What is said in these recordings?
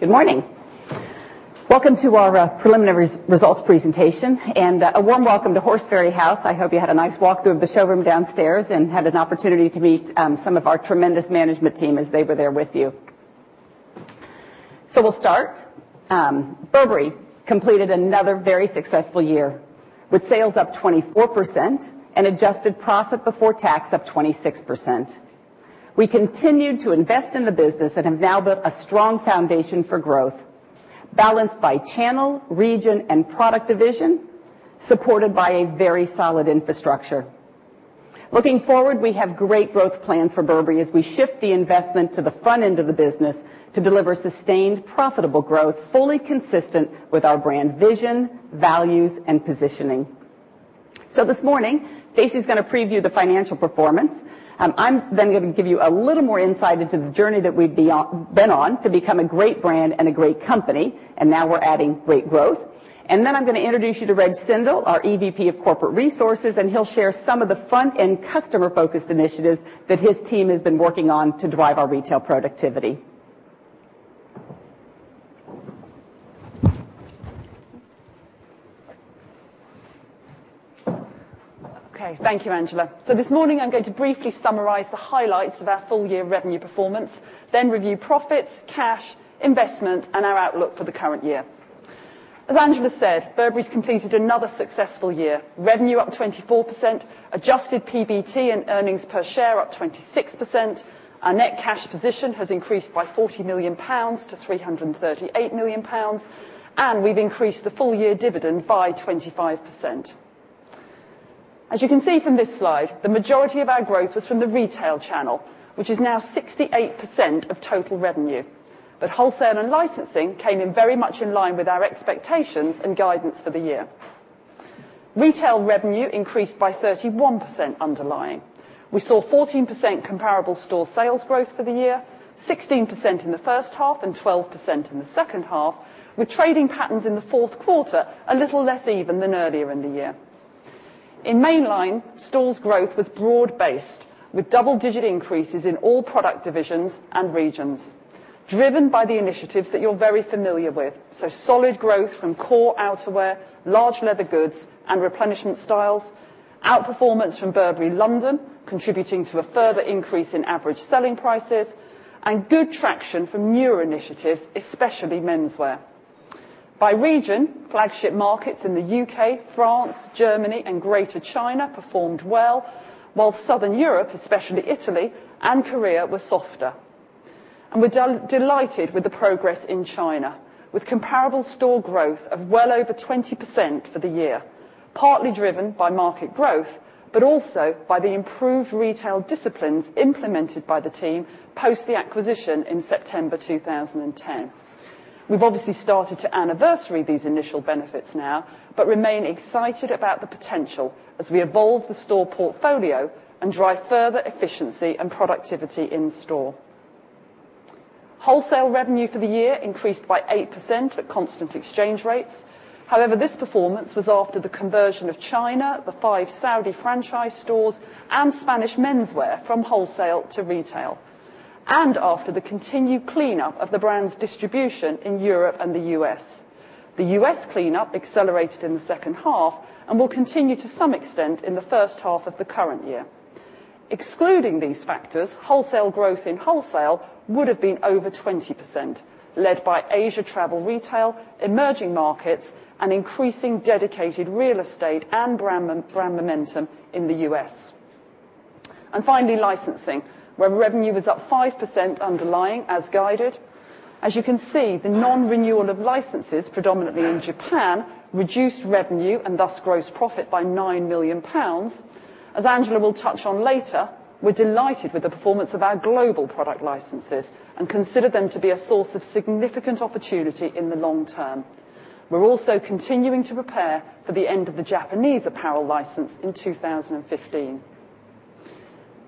Good morning. Welcome to our preliminary results presentation, and a warm welcome to Horseferry House. I hope you had a nice walk through of the showroom downstairs and had an opportunity to meet some of our tremendous management team as they were there with you. We'll start. Burberry completed another very successful year, with sales up 24% and adjusted profit before tax up 26%. We continued to invest in the business and have now built a strong foundation for growth, balanced by channel, region, and product division, supported by a very solid infrastructure. Looking forward, we have great growth plans for Burberry as we shift the investment to the front end of the business to deliver sustained, profitable growth, fully consistent with our brand vision, values, and positioning. This morning, Stacey's going to preview the financial performance. I'm then going to give you a little more insight into the journey that we've been on to become a great brand and a great company, and now we're adding great growth. I'm going to introduce you to Reg Sindall, our EVP of Corporate Resources, and he'll share some of the front-end customer-focused initiatives that his team has been working on to drive our retail productivity. Okay. Thank you, Angela. This morning, I'm going to briefly summarize the highlights of our full-year revenue performance, then review profits, cash, investment, and our outlook for the current year. As Angela said, Burberry's completed another successful year. Revenue up 24%, adjusted PBT and earnings per share up 26%. Our net cash position has increased by 40 million pounds to 338 million pounds, and we've increased the full-year dividend by 25%. As you can see from this slide, the majority of our growth was from the retail channel, which is now 68% of total revenue. Wholesale and licensing came in very much in line with our expectations and guidance for the year. Retail revenue increased by 31% underlying. We saw 14% comparable store sales growth for the year, 16% in the first half and 12% in the second half, with trading patterns in the fourth quarter a little less even than earlier in the year. In mainline, stores growth was broad-based, with double-digit increases in all product divisions and regions, driven by the initiatives that you're very familiar with, so solid growth from core outerwear, large leather goods, and replenishment styles, outperformance from Burberry London, contributing to a further increase in average selling prices, and good traction from newer initiatives, especially menswear. By region, flagship markets in the U.K., France, Germany, and Greater China performed well, while Southern Europe, especially Italy and Korea, were softer. We are delighted with the progress in China, with comparable store growth of well over 20% for the year, partly driven by market growth, but also by the improved retail disciplines implemented by the team post the acquisition in September 2010. We have obviously started to anniversary these initial benefits now, but remain excited about the potential as we evolve the store portfolio and drive further efficiency and productivity in store. Wholesale revenue for the year increased by 8% at constant exchange rates. However, this performance was after the conversion of China, the 5 Saudi franchise stores, and Spanish menswear from wholesale to retail. After the continued cleanup of the brand's distribution in Europe and the U.S. The U.S. cleanup accelerated in the second half and will continue to some extent in the first half of the current year. Excluding these factors, wholesale growth in wholesale would have been over 20%, led by Asia travel retail, emerging markets, and increasing dedicated real estate and brand momentum in the U.S. Finally, licensing, where revenue was up 5% underlying as guided. As you can see, the non-renewal of licenses, predominantly in Japan, reduced revenue and thus gross profit by 9 million pounds. As Angela will touch on later, we are delighted with the performance of our global product licenses and consider them to be a source of significant opportunity in the long term. We are also continuing to prepare for the end of the Japanese apparel license in 2015.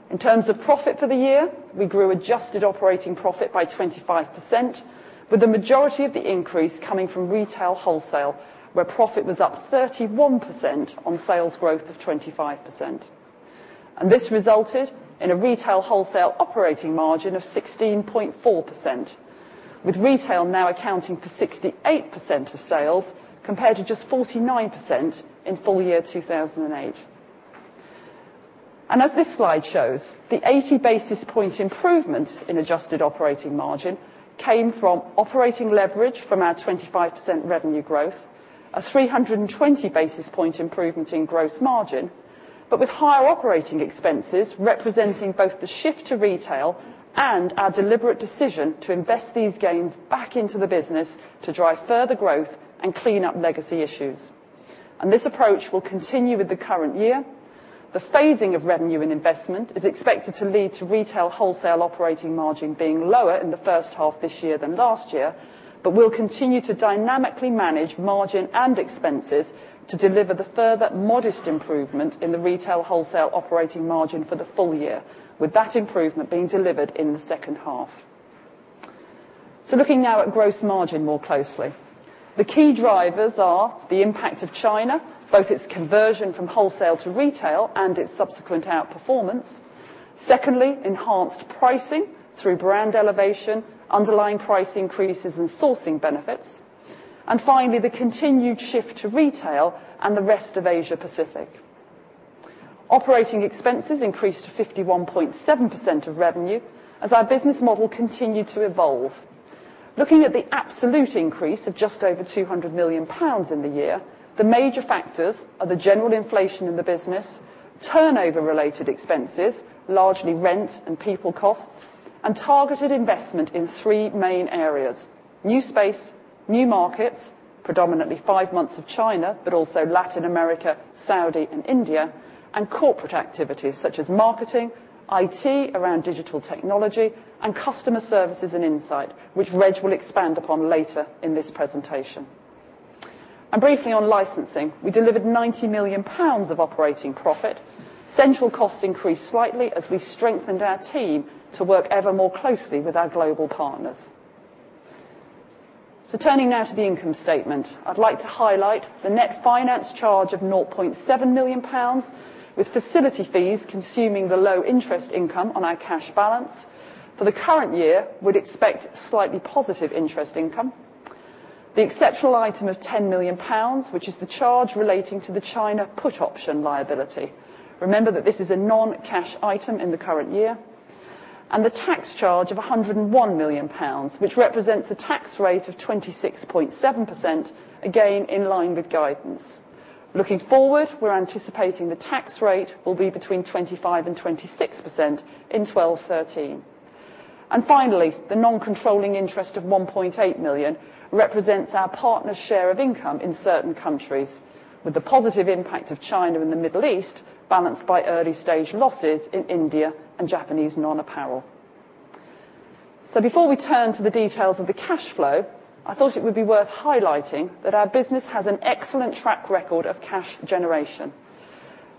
In terms of profit for the year, we grew adjusted operating profit by 25%, with the majority of the increase coming from retail wholesale, where profit was up 31% on sales growth of 25%. This resulted in a retail wholesale operating margin of 16.4%, with retail now accounting for 68% of sales, compared to just 49% in full year 2008. As this slide shows, the 80 basis point improvement in adjusted operating margin came from operating leverage from our 25% revenue growth, a 320 basis point improvement in gross margin, but with higher operating expenses representing both the shift to retail and our deliberate decision to invest these gains back into the business to drive further growth and clean up legacy issues. This approach will continue with the current year. The phasing of revenue and investment is expected to lead to retail wholesale operating margin being lower in the first half this year than last year, but we will continue to dynamically manage margin and expenses to deliver the further modest improvement in the retail wholesale operating margin for the full year, with that improvement being delivered in the second half. Looking now at gross margin more closely. The key drivers are the impact of China, both its conversion from wholesale to retail and its subsequent outperformance. Secondly, enhanced pricing through brand elevation, underlying price increases, and sourcing benefits. Finally, the continued shift to retail and the rest of Asia Pacific. Operating expenses increased to 51.7% of revenue as our business model continued to evolve. Looking at the absolute increase of just over 200 million pounds in the year, the major factors are the general inflation in the business, turnover-related expenses, largely rent and people costs, and targeted investment in three main areas: new space, new markets, predominantly five months of China, but also Latin America, Saudi, and India, and corporate activities such as marketing, IT around digital technology, and customer services and insight, which Reg will expand upon later in this presentation. Briefly on licensing, we delivered 90 million pounds of operating profit. Central costs increased slightly as we strengthened our team to work ever more closely with our global partners. Turning now to the income statement, I'd like to highlight the net finance charge of 0.7 million pounds, with facility fees consuming the low interest income on our cash balance. For the current year, we'd expect slightly positive interest income. The exceptional item of 10 million pounds, which is the charge relating to the China put option liability. Remember that this is a non-cash item in the current year. The tax charge of 101 million pounds, which represents a tax rate of 26.7%, again in line with guidance. Looking forward, we're anticipating the tax rate will be between 25%-26% in 2012-2013. Finally, the non-controlling interest of 1.8 million represents our partner share of income in certain countries, with the positive impact of China and the Middle East balanced by early-stage losses in India and Japanese non-apparel. Before we turn to the details of the cash flow, I thought it would be worth highlighting that our business has an excellent track record of cash generation.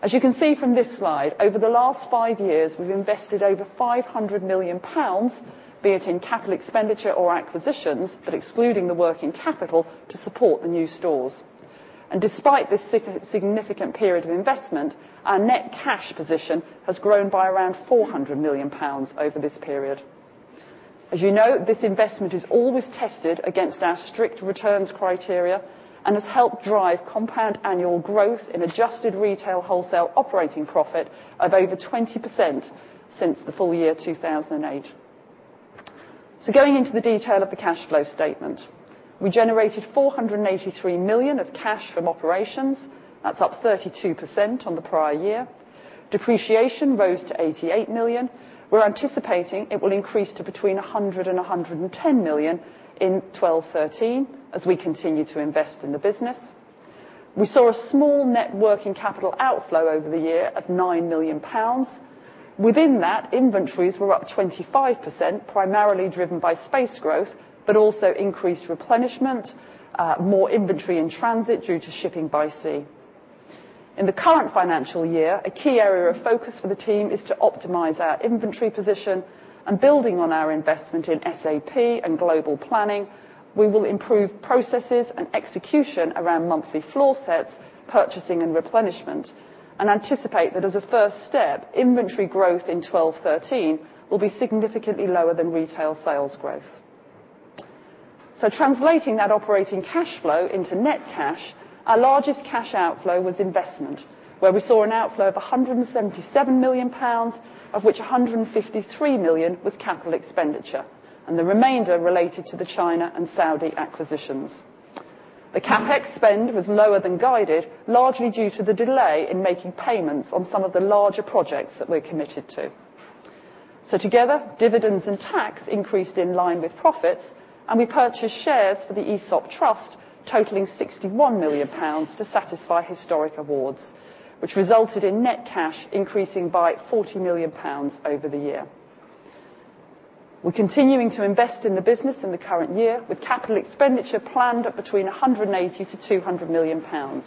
As you can see from this slide, over the last five years, we've invested over 500 million pounds, be it in capital expenditure or acquisitions, but excluding the working capital to support the new stores. Despite this significant period of investment, our net cash position has grown by around 400 million pounds over this period. As you know, this investment is always tested against our strict returns criteria and has helped drive compound annual growth in adjusted retail wholesale operating profit of over 20% since the full year 2008. Going into the detail of the cash flow statement. We generated 483 million of cash from operations. That's up 32% on the prior year. Depreciation rose to 88 million. We're anticipating it will increase to between 100 million and 110 million in 2012-2013 as we continue to invest in the business. We saw a small net working capital outflow over the year of 9 million pounds. Within that, inventories were up 25%, primarily driven by space growth, but also increased replenishment, more inventory in transit due to shipping by sea. In the current financial year, a key area of focus for the team is to optimize our inventory position and building on our investment in SAP and global planning. We will improve processes and execution around monthly floor sets, purchasing, and replenishment, and anticipate that as a first step, inventory growth in 2012-2013 will be significantly lower than retail sales growth. Translating that operating cash flow into net cash, our largest cash outflow was investment, where we saw an outflow of 177 million pounds, of which 153 million was capital expenditure, and the remainder related to the China and Saudi acquisitions. The CapEx spend was lower than guided, largely due to the delay in making payments on some of the larger projects that we're committed to. Together, dividends and tax increased in line with profits, and we purchased shares for the ESOP trust totaling GBP 61 million to satisfy historic awards, which resulted in net cash increasing by GBP 40 million over the year. We're continuing to invest in the business in the current year with capital expenditure planned at between 180 million-200 million pounds.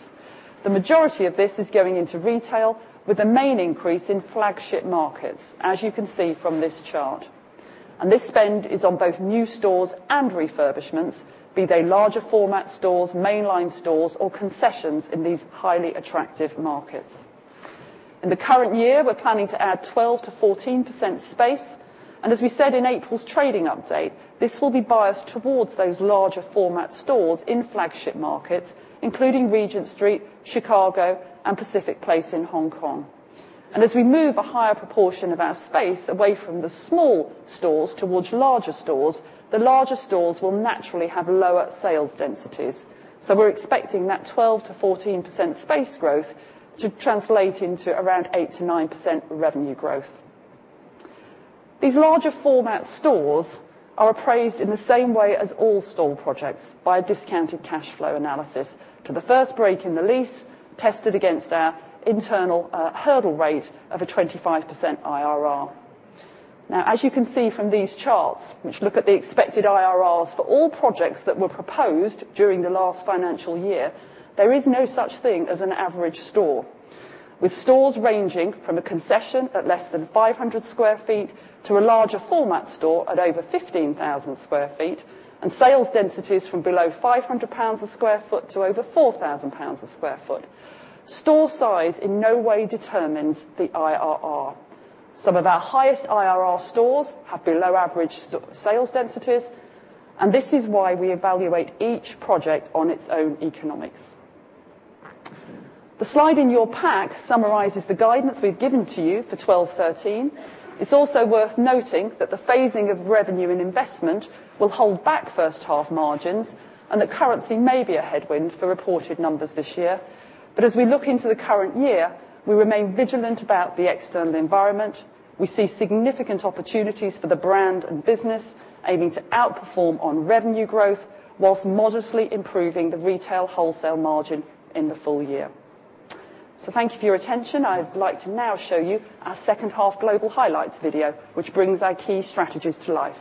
The majority of this is going into retail with the main increase in flagship markets, as you can see from this chart. This spend is on both new stores and refurbishments, be they larger format stores, mainline stores, or concessions in these highly attractive markets. In the current year, we're planning to add 12%-14% space, as we said in April's trading update, this will be biased towards those larger format stores in flagship markets, including Regent Street, Chicago, and Pacific Place in Hong Kong. As we move a higher proportion of our space away from the small stores towards larger stores, the larger stores will naturally have lower sales densities. We're expecting that 12%-14% space growth to translate into around 8%-9% revenue growth. These larger format stores are appraised in the same way as all store projects by a discounted cash flow analysis to the first break in the lease tested against our internal hurdle rate of a 25% IRR. As you can see from these charts, which look at the expected IRRs for all projects that were proposed during the last financial year, there is no such thing as an average store. With stores ranging from a concession at less than 500 sq ft to a larger format store at over 15,000 sq ft, and sales densities from below 500 pounds a sq ft to over 4,000 pounds a sq ft. Store size in no way determines the IRR. Some of our highest IRR stores have below average sales densities, this is why we evaluate each project on its own economics. The slide in your pack summarizes the guidance we've given to you for 2012-2013. It's also worth noting that the phasing of revenue and investment will hold back first half margins, that currency may be a headwind for reported numbers this year. As we look into the current year, we remain vigilant about the external environment. We see significant opportunities for the brand and business, aiming to outperform on revenue growth whilst modestly improving the retail wholesale margin in the full year. Thank you for your attention. I would like to now show you our second half global highlights video, which brings our key strategies to life.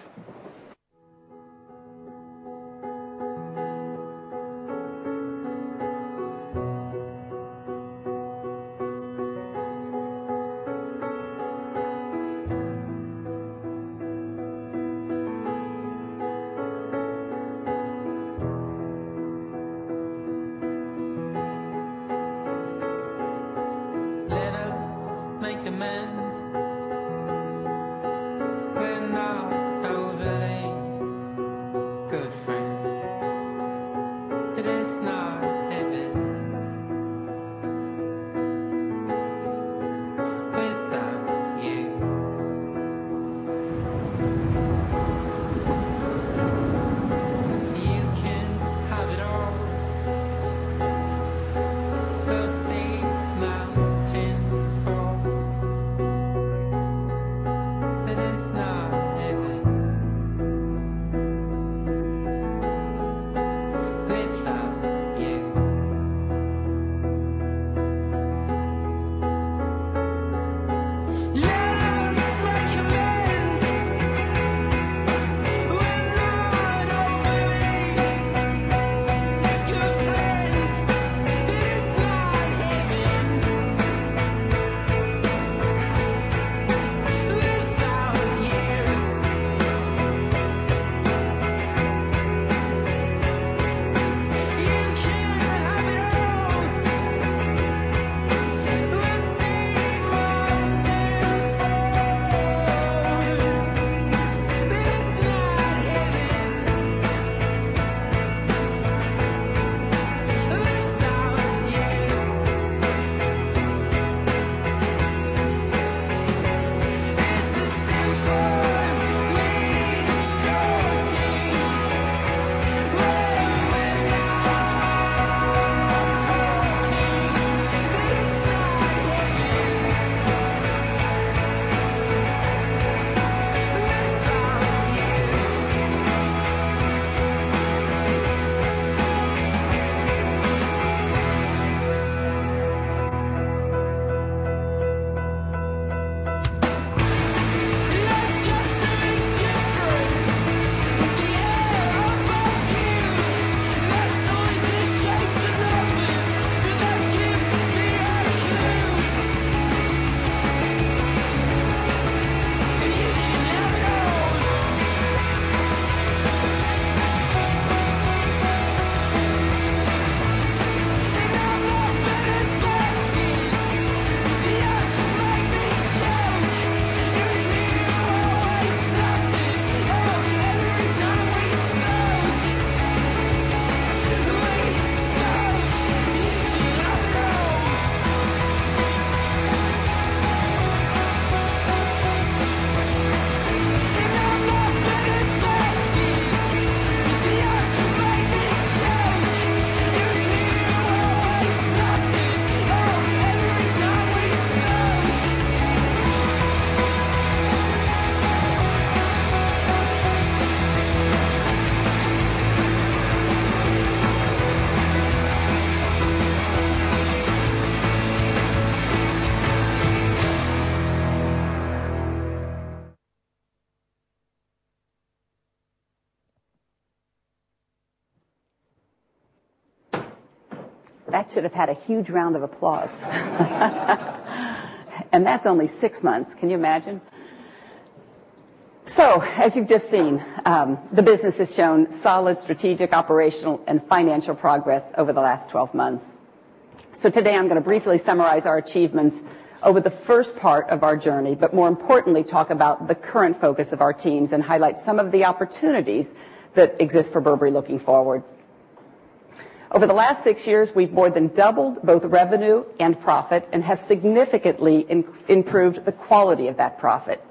Over the last six years, we've more than doubled both revenue and profit and have significantly improved the quality of that profit.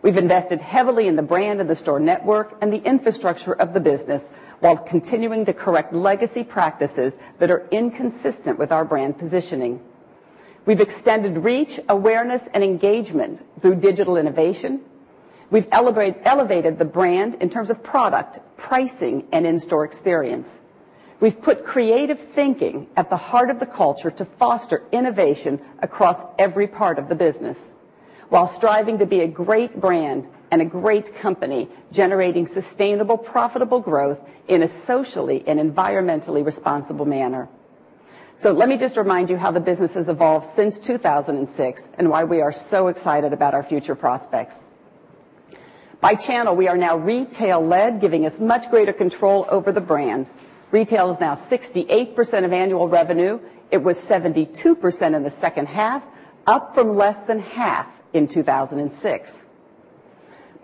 We've invested heavily in the brand and the store network and the infrastructure of the business, while continuing to correct legacy practices that are inconsistent with our brand positioning. We've extended reach, awareness, and engagement through digital innovation. We've elevated the brand in terms of product, pricing, and in-store experience. We've put creative thinking at the heart of the culture to foster innovation across every part of the business. While striving to be a great brand and a great company, generating sustainable, profitable growth in a socially and environmentally responsible manner. Let me just remind you how the business has evolved since 2006 and why we are so excited about our future prospects. By channel, we are now retail-led, giving us much greater control over the brand. Retail is now 68% of annual revenue. It was 72% in the second half, up from less than half in 2006.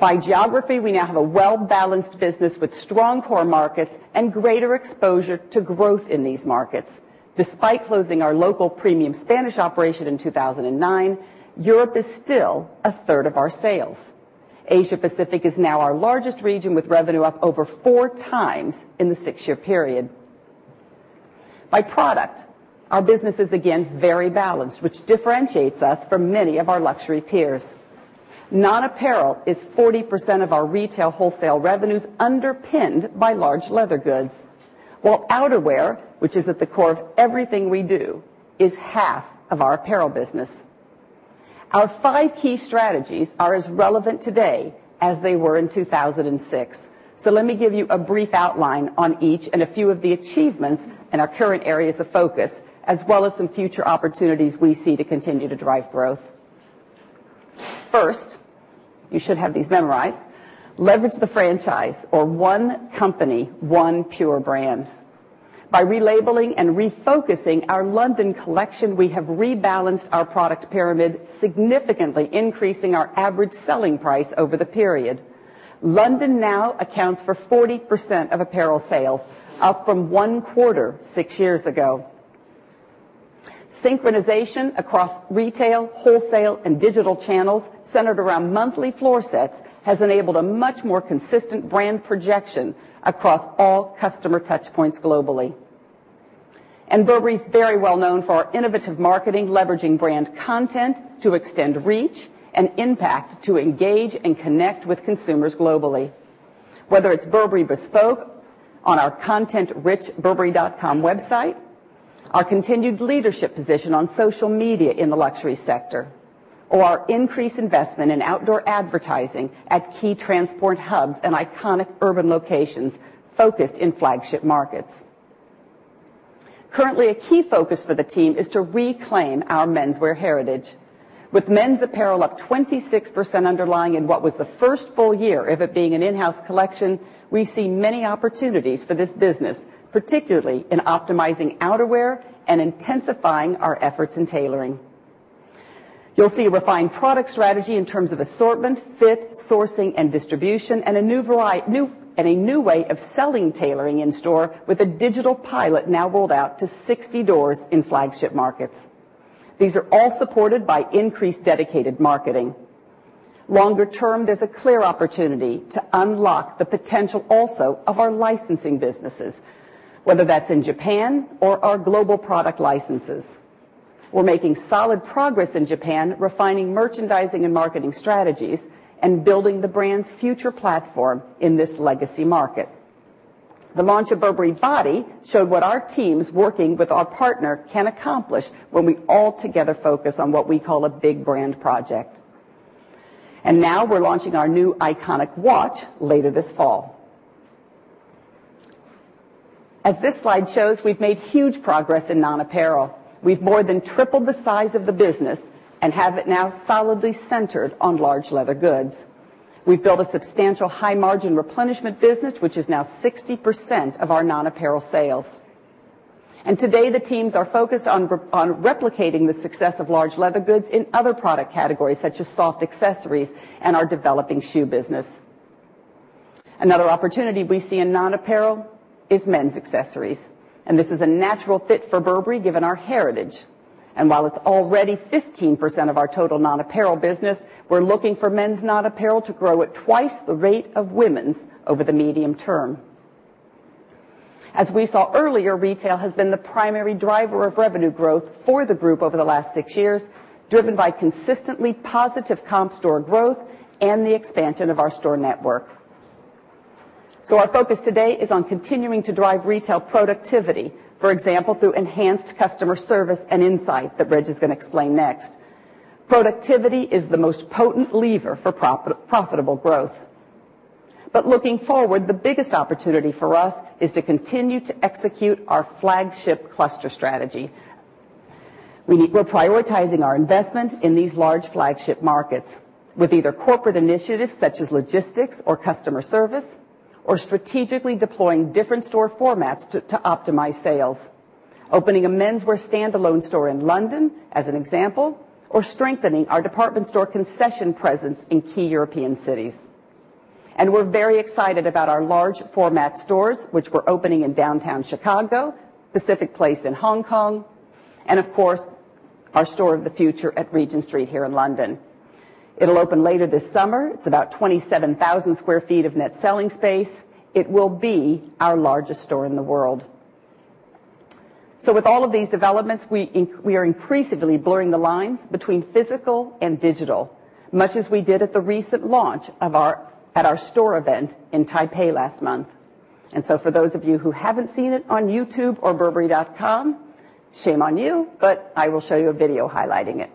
By geography, we now have a well-balanced business with strong core markets and greater exposure to growth in these markets. Despite closing our local premium Spanish operation in 2009, Europe is still a third of our sales. Asia Pacific is now our largest region, with revenue up over four times in the six-year period. By product, our business is again very balanced, which differentiates us from many of our luxury peers. Non-apparel is 40% of our retail wholesale revenues, underpinned by large leather goods, while outerwear, which is at the core of everything we do, is half of our apparel business. Our five key strategies are as relevant today as they were in 2006. Let me give you a brief outline on each and a few of the achievements and our current areas of focus, as well as some future opportunities we see to continue to drive growth. First, you should have these memorized. Leverage the franchise or one company, one pure brand. By relabeling and refocusing our London collection, we have rebalanced our product pyramid, significantly increasing our average selling price over the period. London now accounts for 40% of apparel sales, up from one-quarter six years ago. Synchronization across retail, wholesale, and digital channels centered around monthly floor sets has enabled a much more consistent brand projection across all customer touchpoints globally. Burberry's very well known for our innovative marketing, leveraging brand content to extend reach and impact, to engage and connect with consumers globally. Whether it's Burberry Bespoke on our content-rich burberry.com website, our continued leadership position on social media in the luxury sector, or our increased investment in outdoor advertising at key transport hubs and iconic urban locations focused in flagship markets. Currently, a key focus for the team is to reclaim our menswear heritage. With men's apparel up 26% underlying in what was the first full year of it being an in-house collection, we see many opportunities for this business, particularly in optimizing outerwear and intensifying our efforts in tailoring. You'll see a refined product strategy in terms of assortment, fit, sourcing, and distribution, and a new way of selling tailoring in store with a digital pilot now rolled out to 60 doors in flagship markets. These are all supported by increased dedicated marketing. Longer-term, there's a clear opportunity to unlock the potential also of our licensing businesses, whether that's in Japan or our global product licenses. We're making solid progress in Japan, refining merchandising and marketing strategies and building the brand's future platform in this legacy market. The launch of Burberry Body showed what our teams working with our partner can accomplish when we all together focus on what we call a big brand project. Now we're launching our new iconic watch later this fall. As this slide shows, we've made huge progress in non-apparel. We've more than tripled the size of the business and have it now solidly centered on large leather goods. We've built a substantial high-margin replenishment business, which is now 60% of our non-apparel sales. Today, the teams are focused on replicating the success of large leather goods in other product categories, such as soft accessories and our developing shoe business. Another opportunity we see in non-apparel is men's accessories, and this is a natural fit for Burberry given our heritage. While it's already 15% of our total non-apparel business, we're looking for men's non-apparel to grow at twice the rate of women's over the medium term. As we saw earlier, retail has been the primary driver of revenue growth for the group over the last six years, driven by consistently positive comp store growth and the expansion of our store network. Our focus today is on continuing to drive retail productivity, for example, through enhanced customer service and insight that Reg is going to explain next. Productivity is the most potent lever for profitable growth. Looking forward, the biggest opportunity for us is to continue to execute our flagship cluster strategy. We are prioritizing our investment in these large flagship markets with either corporate initiatives such as logistics or customer service, or strategically deploying different store formats to optimize sales. Opening a menswear standalone store in London, as an example, or strengthening our department store concession presence in key European cities. We are very excited about our large format stores, which we are opening in downtown Chicago, Pacific Place in Hong Kong, and of course, our store of the future at Regent Street here in London. It will open later this summer. It is about 27,000 sq ft of net selling space. It will be our largest store in the world. With all of these developments, we are increasingly blurring the lines between physical and digital, much as we did at the recent launch at our store event in Taipei last month. For those of you who haven't seen it on YouTube or burberry.com, shame on you, but I will show you a video highlighting it.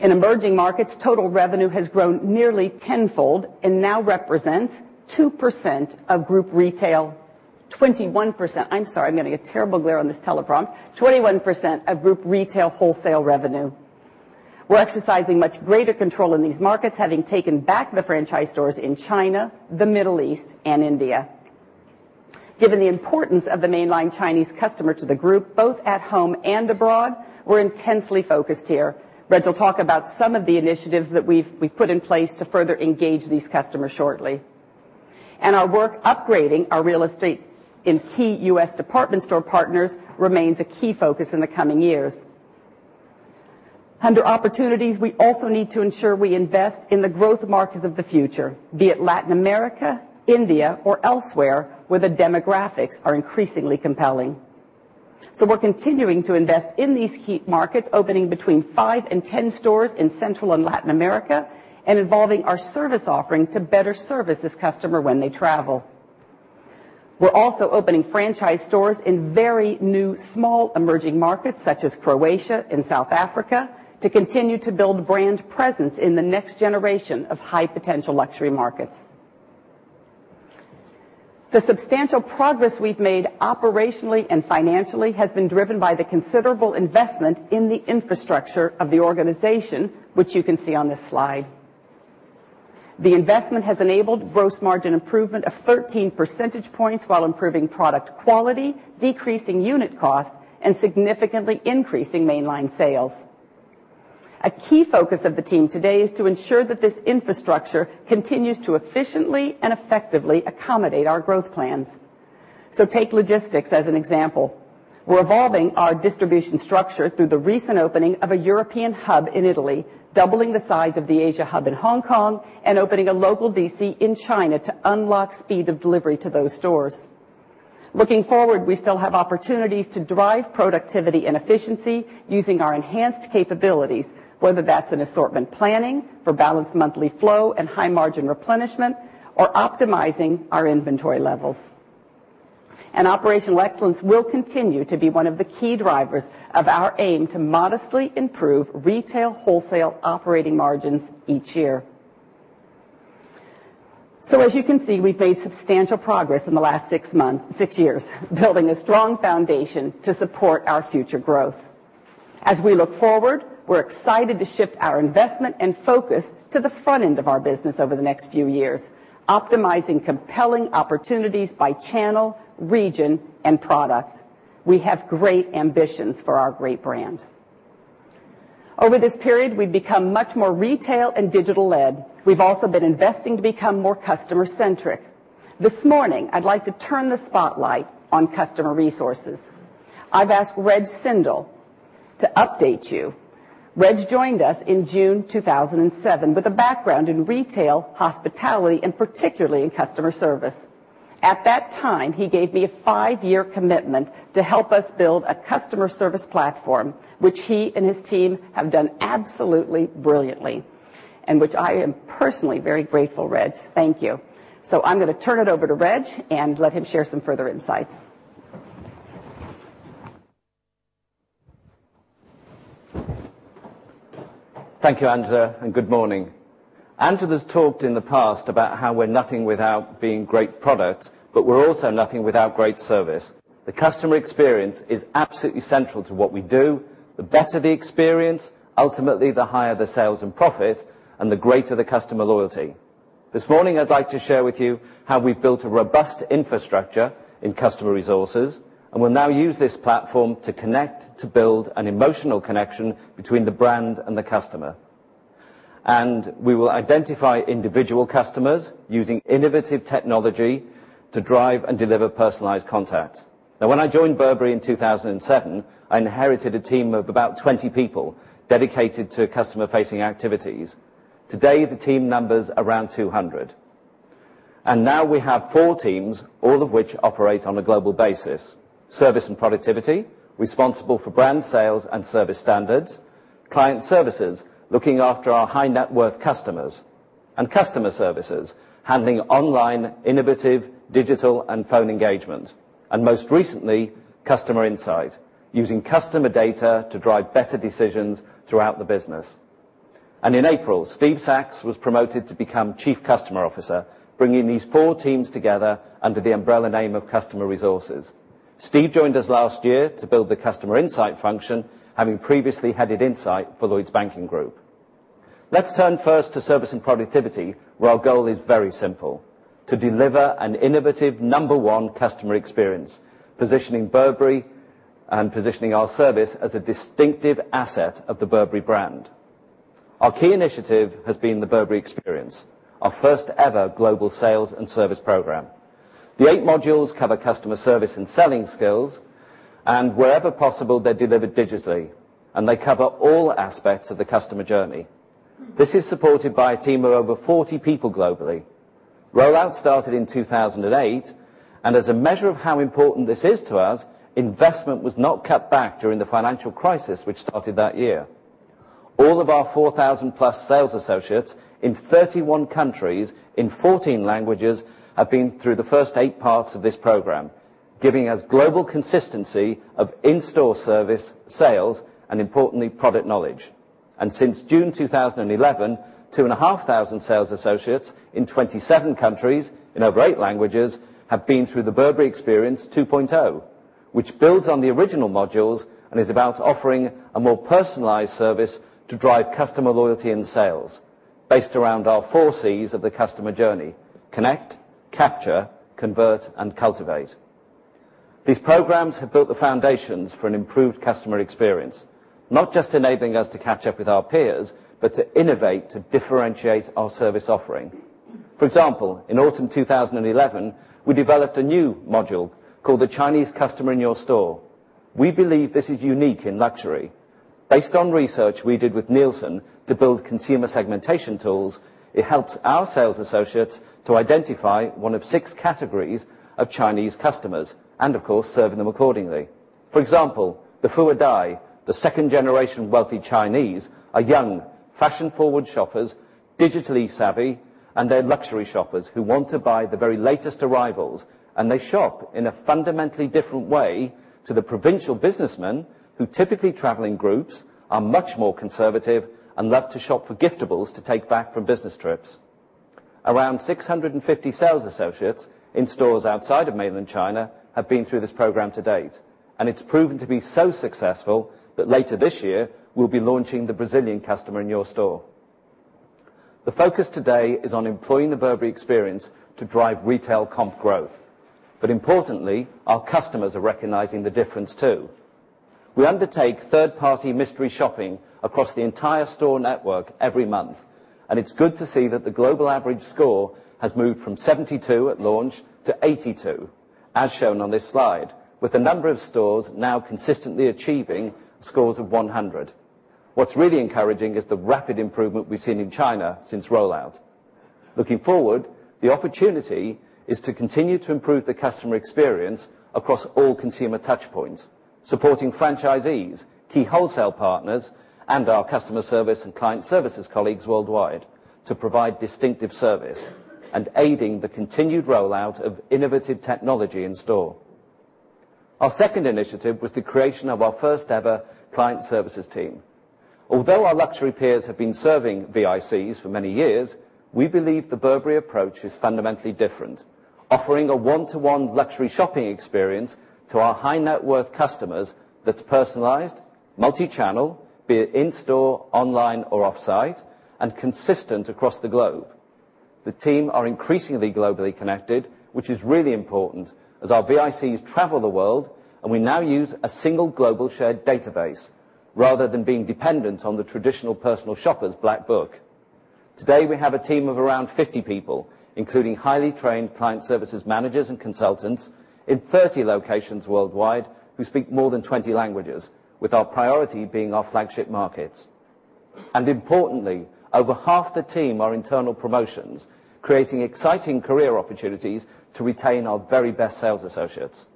In emerging markets, total revenue has grown nearly tenfold and now represents 2% of group retail, 21%-- I'm sorry, I'm getting a terrible glare on this teleprompter. 21% of group retail wholesale revenue. We're exercising much greater control in these markets, having taken back the franchise stores in China, the Middle East, and India. Given the importance of the mainline Chinese customer to the group, both at home and abroad, we're intensely focused here. Reg will talk about some of the initiatives that we've put in place to further engage these customers shortly. Our work upgrading our real estate in key U.S. department store partners remains a key focus in the coming years. Under opportunities, we also need to ensure we invest in the growth markets of the future, be it Latin America, India, or elsewhere, where the demographics are increasingly compelling. We're continuing to invest in these key markets, opening between 5 and 10 stores in Central and Latin America, and evolving our service offering to better service this customer when they travel. We're also opening franchise stores in very new, small emerging markets, such as Croatia and South Africa, to continue to build brand presence in the next generation of high-potential luxury markets. The substantial progress we've made operationally and financially has been driven by the considerable investment in the infrastructure of the organization, which you can see on this slide. The investment has enabled gross margin improvement of 13 percentage points while improving product quality, decreasing unit costs, and significantly increasing mainline sales. A key focus of the team today is to ensure that this infrastructure continues to efficiently and effectively accommodate our growth plans. Take logistics as an example. We're evolving our distribution structure through the recent opening of a European hub in Italy, doubling the size of the Asia hub in Hong Kong, and opening a local DC in China to unlock speed of delivery to those stores. Looking forward, we still have opportunities to drive productivity and efficiency using our enhanced capabilities, whether that's in assortment planning for balanced monthly flow and high-margin replenishment, or optimizing our inventory levels. Operational excellence will continue to be one of the key drivers of our aim to modestly improve retail wholesale operating margins each year. As you can see, we've made substantial progress in the last six years, building a strong foundation to support our future growth. As we look forward, we're excited to shift our investment and focus to the front end of our business over the next few years, optimizing compelling opportunities by channel, region, and product. We have great ambitions for our great brand. Over this period, we've become much more retail and digital-led. We've also been investing to become more customer-centric. This morning, I'd like to turn the spotlight on customer resources. I've asked Reg Sindall to update you. Reg joined us in June 2007 with a background in retail, hospitality, and particularly in customer service. At that time, he gave me a five-year commitment to help us build a customer service platform, which he and his team have done absolutely brilliantly, and which I am personally very grateful, Reg. Thank you. I'm going to turn it over to Reg and let him share some further insights. Thank you, Angela, and good morning. Angela's talked in the past about how we're nothing without being great product, but we're also nothing without great service. The customer experience is absolutely central to what we do. The better the experience, ultimately the higher the sales and profit, and the greater the customer loyalty. This morning, I'd like to share with you how we've built a robust infrastructure in customer resources, and will now use this platform to connect, to build an emotional connection between the brand and the customer. We will identify individual customers using innovative technology to drive and deliver personalized contacts. Now when I joined Burberry in 2007, I inherited a team of about 20 people dedicated to customer-facing activities. Today, the team number's around 200. Now we have four teams, all of which operate on a global basis. Service and Productivity, responsible for brand sales and service standards. Client Services, looking after our high-net-worth customers. Customer Services, handling online, innovative, digital, and phone engagement. Most recently, Customer Insight, using customer data to drive better decisions throughout the business. In April, Steve Sacks was promoted to become Chief Customer Officer, bringing these four teams together under the umbrella name of Customer Resources. Steve joined us last year to build the Customer Insight function, having previously headed insight for Lloyds Banking Group. Let's turn first to Service and Productivity, where our goal is very simple: to deliver an innovative number 1 customer experience, positioning Burberry and positioning our service as a distinctive asset of the Burberry brand. Our key initiative has been the Burberry Experience, our first ever global sales and service program. The eight modules cover customer service and selling skills, wherever possible, they're delivered digitally, they cover all aspects of the customer journey. This is supported by a team of over 40 people globally. Rollout started in 2008, as a measure of how important this is to us, investment was not cut back during the financial crisis which started that year. All of our 4,000-plus sales associates in 31 countries in 14 languages have been through the first eight parts of this program, giving us global consistency of in-store service, sales, and importantly, product knowledge. Since June 2011, 2,500 sales associates in 27 countries in over eight languages have been through the Burberry Experience 2.0, which builds on the original modules and is about offering a more personalized service to drive customer loyalty and sales based around our four Cs of the customer journey: connect, capture, convert, and cultivate. These programs have built the foundations for an improved customer experience, not just enabling us to catch up with our peers, but to innovate, to differentiate our service offering. For example, in autumn 2011, we developed a new module called the Chinese Customer in Your Store. We believe this is unique in luxury. Based on research we did with Nielsen to build consumer segmentation tools, it helps our sales associates to identify 1 of 6 categories of Chinese customers and, of course, serving them accordingly. For example, the fuerdai, the second-generation wealthy Chinese, are young, fashion-forward shoppers, digitally savvy, and they're luxury shoppers who want to buy the very latest arrivals, and they shop in a fundamentally different way to the provincial businessmen who typically travel in groups, are much more conservative, and love to shop for giftables to take back from business trips. Around 650 sales associates in stores outside of mainland China have been through this program to date, and it's proven to be so successful that later this year, we'll be launching the Brazilian Customer in Your Store. The focus today is on employing the Burberry Experience to drive retail comp growth. Importantly, our customers are recognizing the difference, too. We undertake third-party mystery shopping across the entire store network every month, and it's good to see that the global average score has moved from 72 at launch to 82, as shown on this slide, with a number of stores now consistently achieving scores of 100. What's really encouraging is the rapid improvement we've seen in China since rollout. Looking forward, the opportunity is to continue to improve the customer experience across all consumer touchpoints, supporting franchisees, key wholesale partners, and our customer service and client services colleagues worldwide to provide distinctive service and aiding the continued rollout of innovative technology in store. Our second initiative was the creation of our first-ever client services team. Although our luxury peers have been serving VICs for many years, we believe the Burberry approach is fundamentally different, offering a one-to-one luxury shopping experience to our high-net-worth customers that's personalized, multi-channel, be it in-store, online, or off-site, and consistent across the globe. The team are increasingly globally connected, which is really important as our VICs travel the world, and we now use a single global shared database rather than being dependent on the traditional personal shopper's black book. Today, we have a team of around 50 people, including highly trained client services managers and consultants in 30 locations worldwide who speak more than 20 languages, with our priority being our flagship markets. Importantly, over half the team are internal promotions, creating exciting career opportunities to retain our very best sales associates.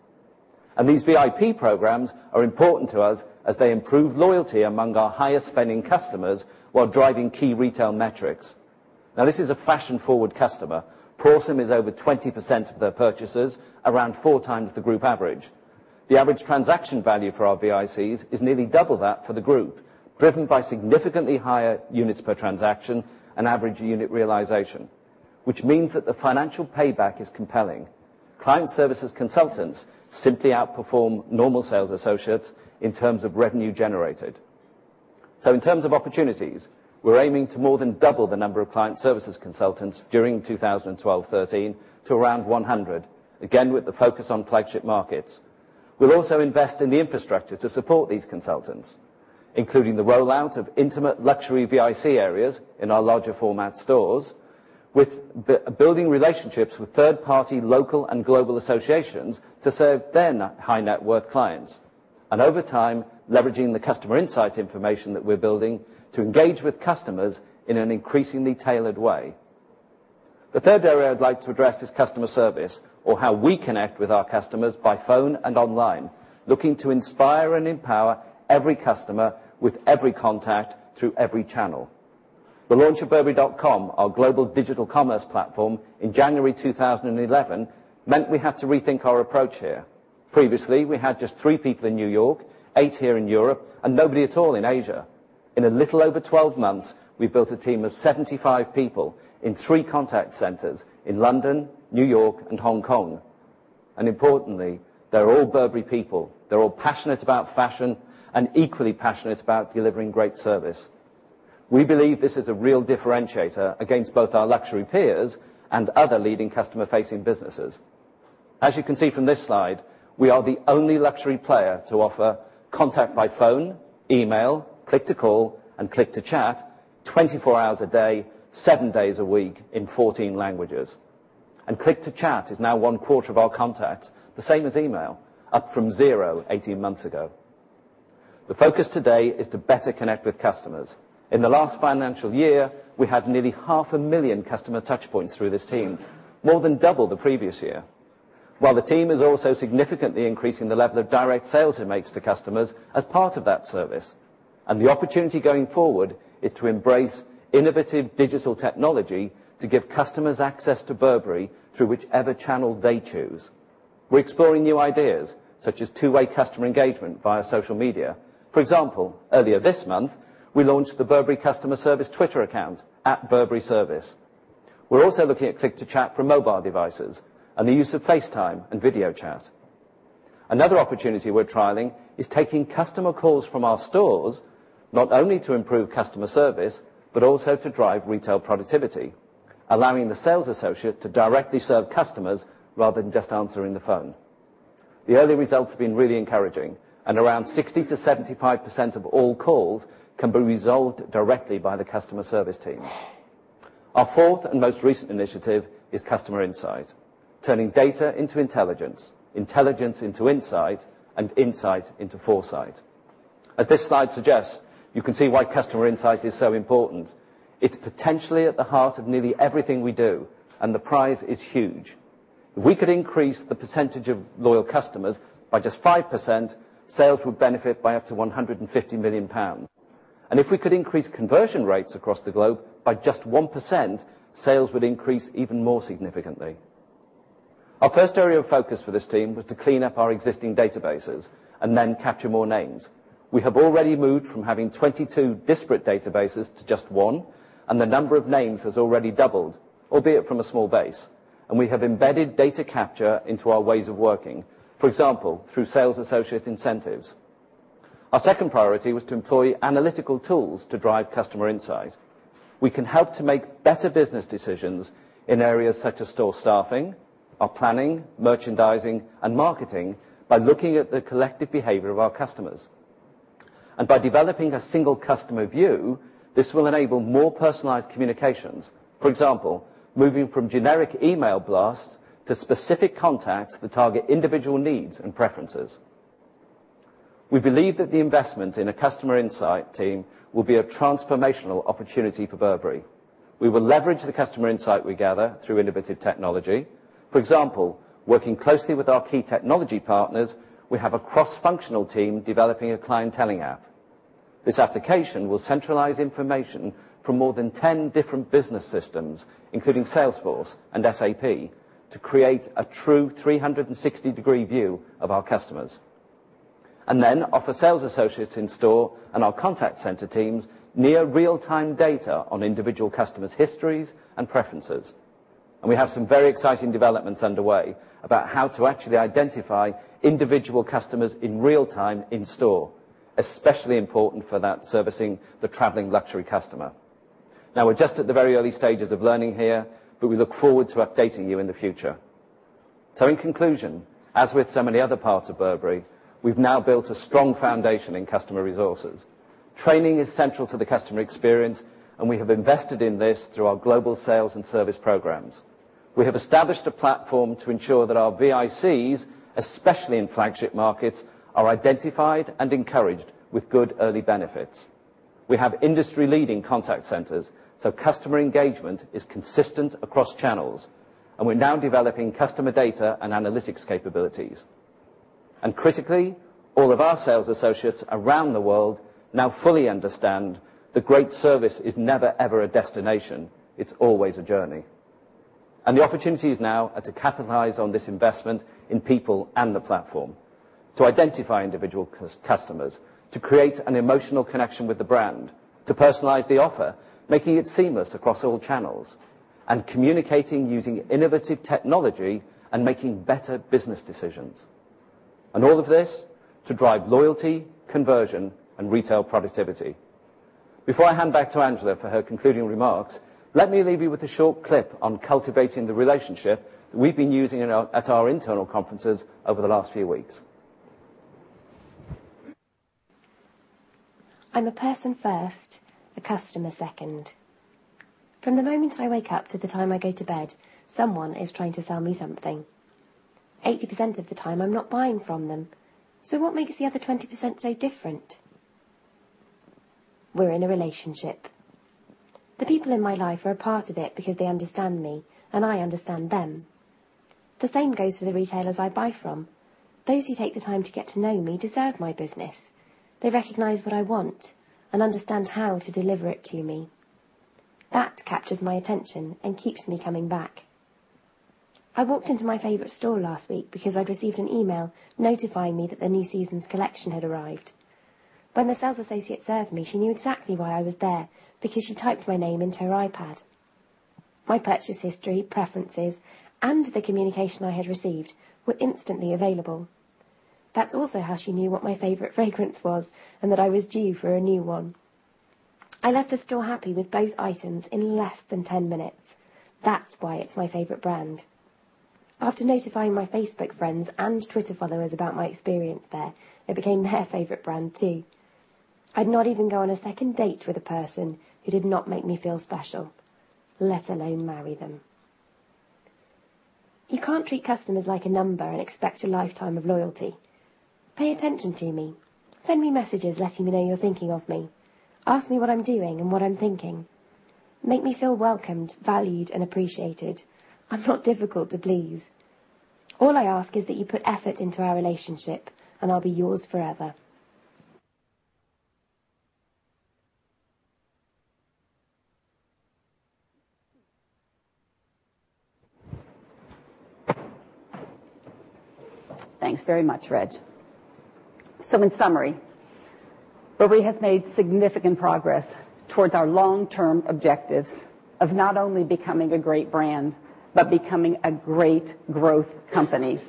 These VIP programs are important to us as they improve loyalty among our highest-spending customers while driving key retail metrics. This is a fashion-forward customer. Prorsum is over 20% of their purchases, around four times the group average. The average transaction value for our VICs is nearly double that for the group, driven by significantly higher units per transaction and average unit realization, which means that the financial payback is compelling. Client services consultants simply outperform normal sales associates in terms of revenue generated. In terms of opportunities, we're aiming to more than double the number of client services consultants during 2012-2013 to around 100, again, with the focus on flagship markets. We'll also invest in the infrastructure to support these consultants, including the rollout of intimate luxury VIC areas in our larger format stores, with building relationships with third-party local and global associations to serve their high-net-worth clients. Over time, leveraging the customer insight information that we're building to engage with customers in an increasingly tailored way. The third area I'd like to address is customer service or how we connect with our customers by phone and online, looking to inspire and empower every customer with every contact through every channel. The launch of burberry.com, our global digital commerce platform in January 2011, meant we had to rethink our approach here. Previously, we had just three people in New York, eight here in Europe, and nobody at all in Asia. In a little over 12 months, we've built a team of 75 people in three contact centers in London, New York, and Hong Kong. Importantly, they're all Burberry people. They're all passionate about fashion and equally passionate about delivering great service. We believe this is a real differentiator against both our luxury peers and other leading customer-facing businesses. As you can see from this slide, we are the only luxury player to offer contact by phone, email, click to call, and click to chat 24 hours a day, seven days a week in 14 languages. Click to chat is now one-quarter of our contacts, the same as email, up from zero 18 months ago. The focus today is to better connect with customers. In the last financial year, we had nearly half a million customer touch points through this team, more than double the previous year. While the team is also significantly increasing the level of direct sales it makes to customers as part of that service. The opportunity going forward is to embrace innovative digital technology to give customers access to Burberry through whichever channel they choose. We're exploring new ideas, such as two-way customer engagement via social media. For example, earlier this month, we launched the Burberry customer service Twitter account, @BurberryService. We're also looking at click to chat for mobile devices and the use of FaceTime and video chat. Another opportunity we're trialing is taking customer calls from our stores, not only to improve customer service, but also to drive retail productivity, allowing the sales associate to directly serve customers rather than just answering the phone. The early results have been really encouraging, and around 60%-75% of all calls can be resolved directly by the customer service team. Our fourth and most recent initiative is customer insight, turning data into intelligence into insight, and insight into foresight. As this slide suggests, you can see why customer insight is so important. It's potentially at the heart of nearly everything we do, and the prize is huge. If we could increase the percentage of loyal customers by just 5%, sales would benefit by up to 150 million pounds. If we could increase conversion rates across the globe by just 1%, sales would increase even more significantly. Our first area of focus for this team was to clean up our existing databases and then capture more names. We have already moved from having 22 disparate databases to just one, and the number of names has already doubled, albeit from a small base. We have embedded data capture into our ways of working, for example, through sales associate incentives. Our second priority was to employ analytical tools to drive customer insight. We can help to make better business decisions in areas such as store staffing, our planning, merchandising, and marketing by looking at the collective behavior of our customers. By developing a single customer view, this will enable more personalized communications. For example, moving from generic email blast to specific contacts that target individual needs and preferences. We believe that the investment in a customer insight team will be a transformational opportunity for Burberry. We will leverage the customer insight we gather through innovative technology. For example, working closely with our key technology partners, we have a cross-functional team developing a clienteling app. This application will centralize information from more than 10 different business systems, including Salesforce and SAP, to create a true 360-degree view of our customers. Then offer sales associates in store and our contact center teams near real-time data on individual customers' histories and preferences. We have some very exciting developments underway about how to actually identify individual customers in real time in store, especially important for that servicing the traveling luxury customer. Now we're just at the very early stages of learning here, but we look forward to updating you in the future. In conclusion, as with so many other parts of Burberry, we've now built a strong foundation in customer resources. Training is central to the customer experience, and we have invested in this through our global sales and service programs. We have established a platform to ensure that our VICs, especially in flagship markets, are identified and encouraged with good early benefits. We have industry-leading contact centers, so customer engagement is consistent across channels. We're now developing customer data and analytics capabilities. Critically, all of our sales associates around the world now fully understand that great service is never, ever a destination. It's always a journey. The opportunities now are to capitalize on this investment in people and the platform, to identify individual customers, to create an emotional connection with the brand, to personalize the offer, making it seamless across all channels, and communicating using innovative technology and making better business decisions. All of this to drive loyalty, conversion, and retail productivity. Before I hand back to Angela for her concluding remarks, let me leave you with a short clip on cultivating the relationship we've been using at our internal conferences over the last few weeks. I'm a person first, a customer second. From the moment I wake up to the time I go to bed, someone is trying to sell me something. 80% of the time I'm not buying from them. What makes the other 20% so different? We're in a relationship. The people in my life are a part of it because they understand me, and I understand them. The same goes for the retailers I buy from. Those who take the time to get to know me deserve my business. They recognize what I want and understand how to deliver it to me. That captures my attention and keeps me coming back. I walked into my favorite store last week because I'd received an email notifying me that the new season's collection had arrived. When the sales associate served me, she knew exactly why I was there because she typed my name into her iPad. My purchase history, preferences, and the communication I had received were instantly available. That's also how she knew what my favorite fragrance was and that I was due for a new one. I left the store happy with both items in less than 10 minutes. That's why it's my favorite brand. After notifying my Facebook friends and Twitter followers about my experience there, they became their favorite brand, too. I'd not even go on a second date with a person who did not make me feel special, let alone marry them. You can't treat customers like a number and expect a lifetime of loyalty. Pay attention to me. Send me messages letting me know you're thinking of me. Ask me what I'm doing and what I'm thinking. Make me feel welcomed, valued, and appreciated. I'm not difficult to please. All I ask is that you put effort into our relationship, and I'll be yours forever. Thanks very much, Reg. In summary, Burberry has made significant progress towards our long-term objectives of not only becoming a great brand but becoming a great growth company.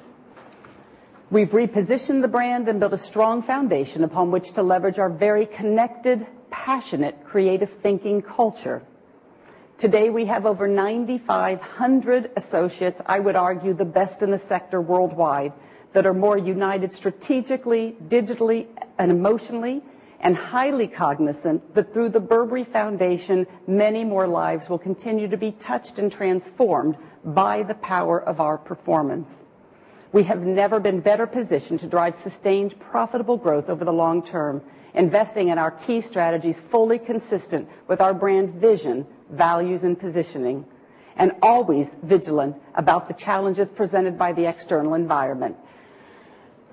We've repositioned the brand and built a strong foundation upon which to leverage our very connected, passionate, creative thinking culture. Today, we have over 9,500 associates, I would argue the best in the sector worldwide, that are more united strategically, digitally, and emotionally, and highly cognizant that through The Burberry Foundation, many more lives will continue to be touched and transformed by the power of our performance. We have never been better positioned to drive sustained, profitable growth over the long term, investing in our key strategies fully consistent with our brand vision, values, and positioning, and always vigilant about the challenges presented by the external environment.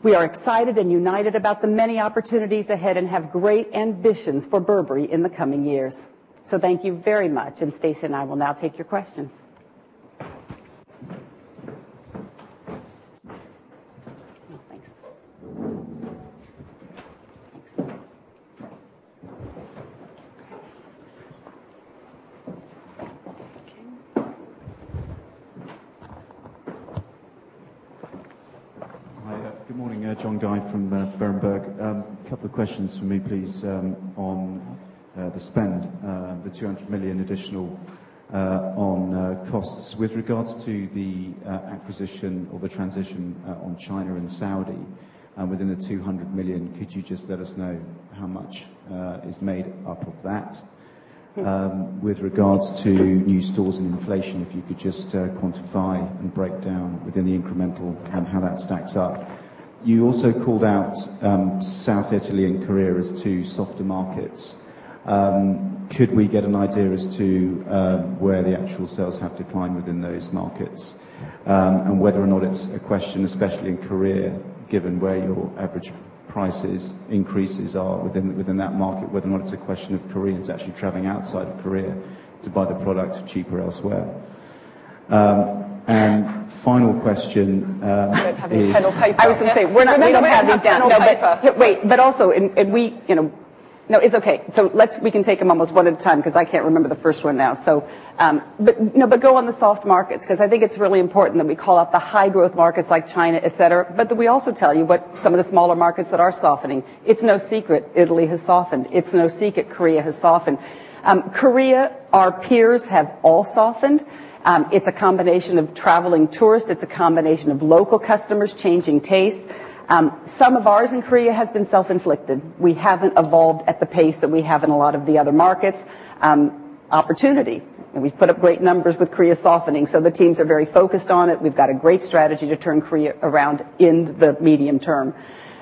We are excited and united about the many opportunities ahead and have great ambitions for Burberry in the coming years. Thank you very much, and Stacey and I will now take your questions. Oh, thanks. Thanks. Okay. Okay. Hi. Good morning. John Guy from Berenberg. A couple of questions from me, please, on the spend, the 200 million additional on costs. With regards to the acquisition or the transition on China and Saudi, within the 200 million, could you just let us know how much is made up of that? Sure. With regards to new stores and inflation, if you could just quantify and break down within the incremental and how that stacks up. You also called out South Italy and Korea as two softer markets. Could we get an idea as to where the actual sales have declined within those markets? Whether or not it's a question, especially in Korea, given where your average prices increases are within that market, whether or not it's a question of Koreans actually traveling outside of Korea to buy the product cheaper elsewhere. Final question is- We don't have any panel paper. Remember, we have no panel paper. It's okay. We can take them almost one at a time, because I can't remember the first one now. Go on the soft markets, because I think it's really important that we call out the high growth markets like China, et cetera, but that we also tell you what some of the smaller markets that are softening. It's no secret Italy has softened. It's no secret Korea has softened. Korea, our peers have all softened. It's a combination of traveling tourists. It's a combination of local customers changing tastes. Some of ours in Korea has been self-inflicted. We haven't evolved at the pace that we have in a lot of the other markets. Opportunity. We've put up great numbers with Korea softening, so the teams are very focused on it. We've got a great strategy to turn Korea around in the medium term.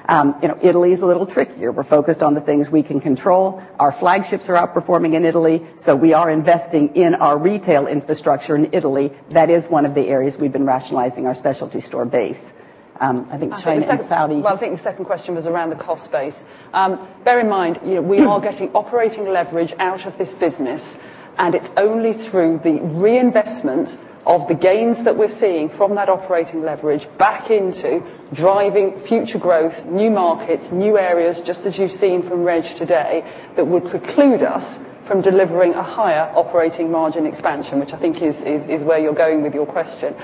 Italy is a little trickier. We're focused on the things we can control. Our flagships are outperforming in Italy, so we are investing in our retail infrastructure in Italy. That is one of the areas we've been rationalizing our specialty store base. I think China and Saudi. Well, I think the second question was around the cost base. Bear in mind, we are getting operating leverage out of this business, and it's only through the reinvestment of the gains that we're seeing from that operating leverage back into driving future growth, new markets, new areas, just as you've seen from Reg today, that would preclude us from delivering a higher operating margin expansion, which I think is where you're going with your question.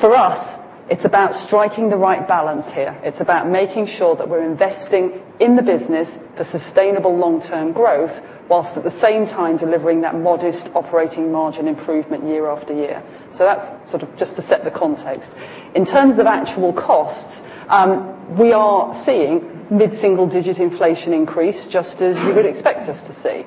For us, it's about striking the right balance here. It's about making sure that we're investing in the business for sustainable long-term growth, whilst at the same time delivering that modest operating margin improvement year after year. That's just to set the context. In terms of actual costs, we are seeing mid-single digit inflation increase, just as you would expect us to see.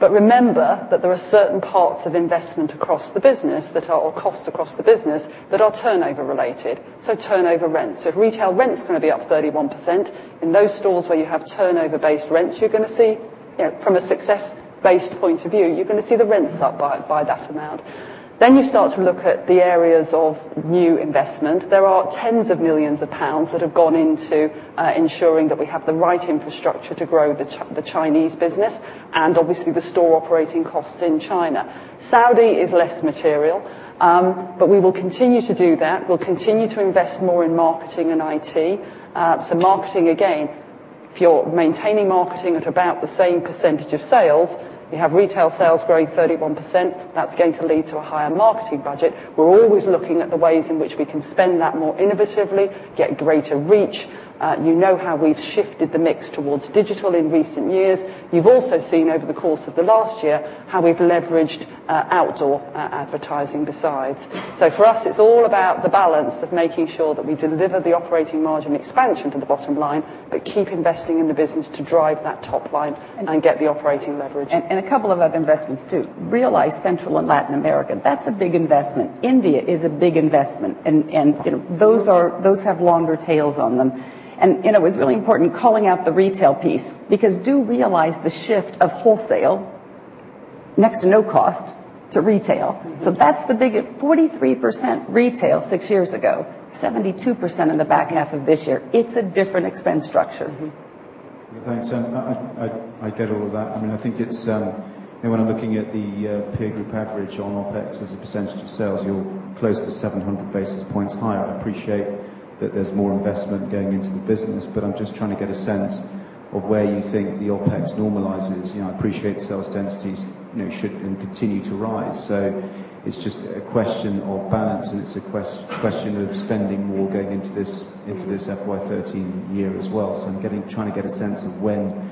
Remember that there are certain parts of investment across the business, or costs across the business, that are turnover related. Turnover rents. If retail rent's going to be up 31%, in those stores where you have turnover-based rents, from a success-based point of view, you're going to see the rents up by that amount. You start to look at the areas of new investment. There are GBP tens of millions that have gone into ensuring that we have the right infrastructure to grow the Chinese business, and obviously the store operating costs in China. Saudi is less material. We will continue to do that. We'll continue to invest more in marketing and IT. Marketing, again, if you're maintaining marketing at about the same percentage of sales, you have retail sales growing 31%, that's going to lead to a higher marketing budget. We're always looking at the ways in which we can spend that more innovatively, get greater reach. You know how we've shifted the mix towards digital in recent years. You've also seen over the course of the last year how we've leveraged outdoor advertising besides. For us, it's all about the balance of making sure that we deliver the operating margin expansion to the bottom line, but keep investing in the business to drive that top line and get the operating leverage. A couple of other investments, too. Realize Central and Latin America, that's a big investment. India is a big investment. Those have longer tails on them. It was really important calling out the retail piece, because do realize the shift of wholesale, next to no cost, to retail. That's the big 43% retail six years ago, 72% in the back half of this year. It's a different expense structure. Thanks. I get all of that. When I'm looking at the peer group average on OpEx as a % of sales, you're close to 700 basis points higher. I appreciate that there's more investment going into the business. I'm just trying to get a sense of where you think the OpEx normalizes. I appreciate sales densities should and continue to rise. It's just a question of balance. It's a question of spending more going into this FY 2013 year as well. I'm trying to get a sense of when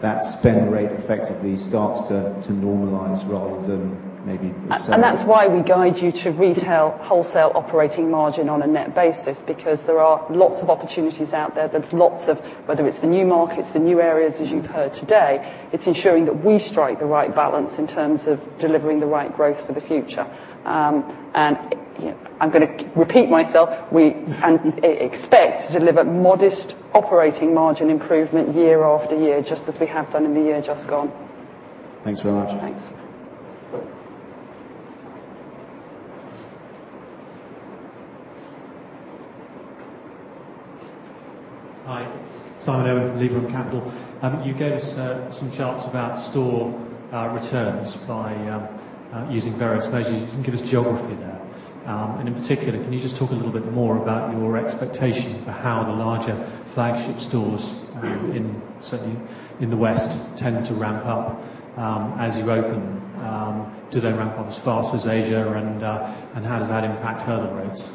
that spend rate effectively starts to normalize rather than maybe settle. That's why we guide you to retail wholesale operating margin on a net basis, because there are lots of opportunities out there. There's lots of whether it's the new markets, the new areas, as you've heard today, it's ensuring that we strike the right balance in terms of delivering the right growth for the future. I'm going to repeat myself, expect to deliver modest operating margin improvement year after year, just as we have done in the year just gone. Thanks very much. Thanks. Hi. It's [Simon Owen] from Liberum Capital. You gave us some charts about store returns by using various measures. You didn't give us geography there. In particular, can you just talk a little bit more about your expectation for how the larger flagship stores, certainly in the West, tend to ramp up as you open them? Do they ramp up as fast as Asia, and how does that impact hurdle rates?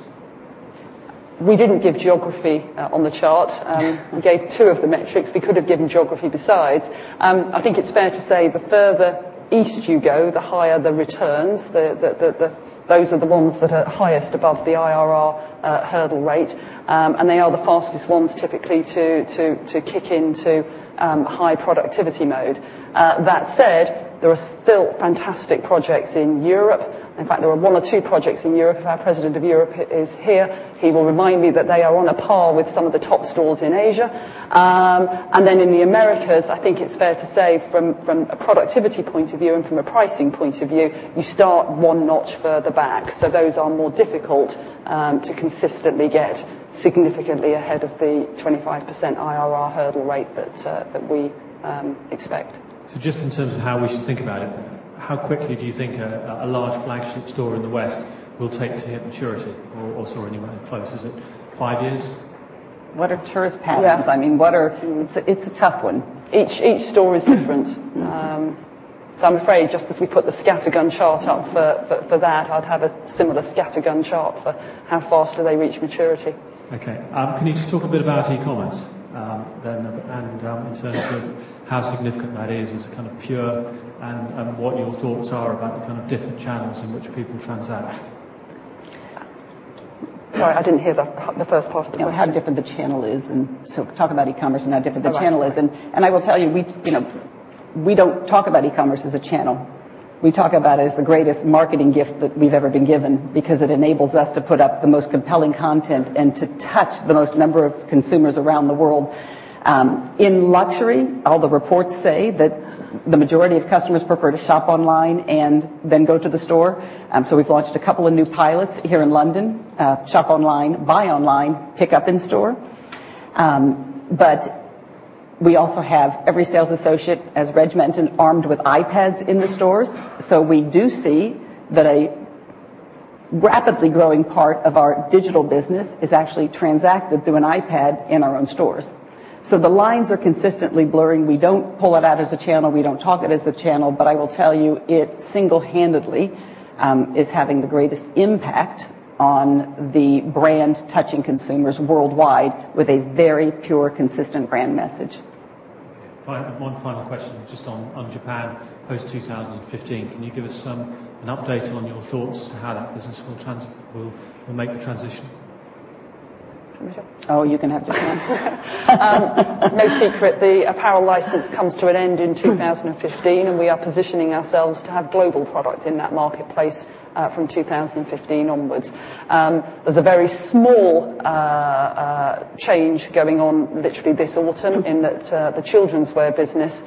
We didn't give geography on the chart. Yeah. We gave two of the metrics. We could have given geography besides. I think it's fair to say the further east you go, the higher the returns. Those are the ones that are highest above the IRR hurdle rate, and they are the fastest ones, typically, to kick into high productivity mode. That said, there are still fantastic projects in Europe. In fact, there are one or two projects in Europe. If our president of Europe is here, he will remind me that they are on a par with some of the top stores in Asia. Then in the Americas, I think it's fair to say from a productivity point of view and from a pricing point of view, you start one notch further back. Those are more difficult to consistently get significantly ahead of the 25% IRR hurdle rate that we expect. Just in terms of how we should think about it. How quickly do you think a large flagship store in the West will take to hit maturity or saw any return close? Is it five years? What are tourist patterns? Yes. I mean, it's a tough one. Each store is different. I'm afraid just as we put the scattergun chart up for that, I'd have a similar scattergun chart for how fast do they reach maturity. Okay. Can you talk a bit about e-commerce then, and in terms of how significant that is as a kind of pure, and what your thoughts are about the kind of different channels in which people transact? Sorry, I didn't hear the first part of the question. How different the channel is, and so talk about e-commerce and how different the channel is. All right. I will tell you, we don't talk about e-commerce as a channel. We talk about it as the greatest marketing gift that we've ever been given because it enables us to put up the most compelling content and to touch the most number of consumers around the world. In luxury, all the reports say that the majority of customers prefer to shop online and then go to the store. We've launched a couple of new pilots here in London: shop online, buy online, pick up in-store. We also have every sales associate, as Reg mentioned, armed with iPads in the stores. We do see that a rapidly growing part of our digital business is actually transacted through an iPad in our own stores. The lines are consistently blurring. We don't pull it out as a channel, we don't talk it as a channel, I will tell you it single-handedly is having the greatest impact on the brand touching consumers worldwide with a very pure, consistent brand message. Okay. One final question just on Japan post-2015. Can you give us an update on your thoughts to how that business will make the transition? Do you want me to? You can have this one. No secret. The apparel license comes to an end in 2015, and we are positioning ourselves to have global product in that marketplace from 2015 onwards. There's a very small change going on literally this autumn in that the childrenswear business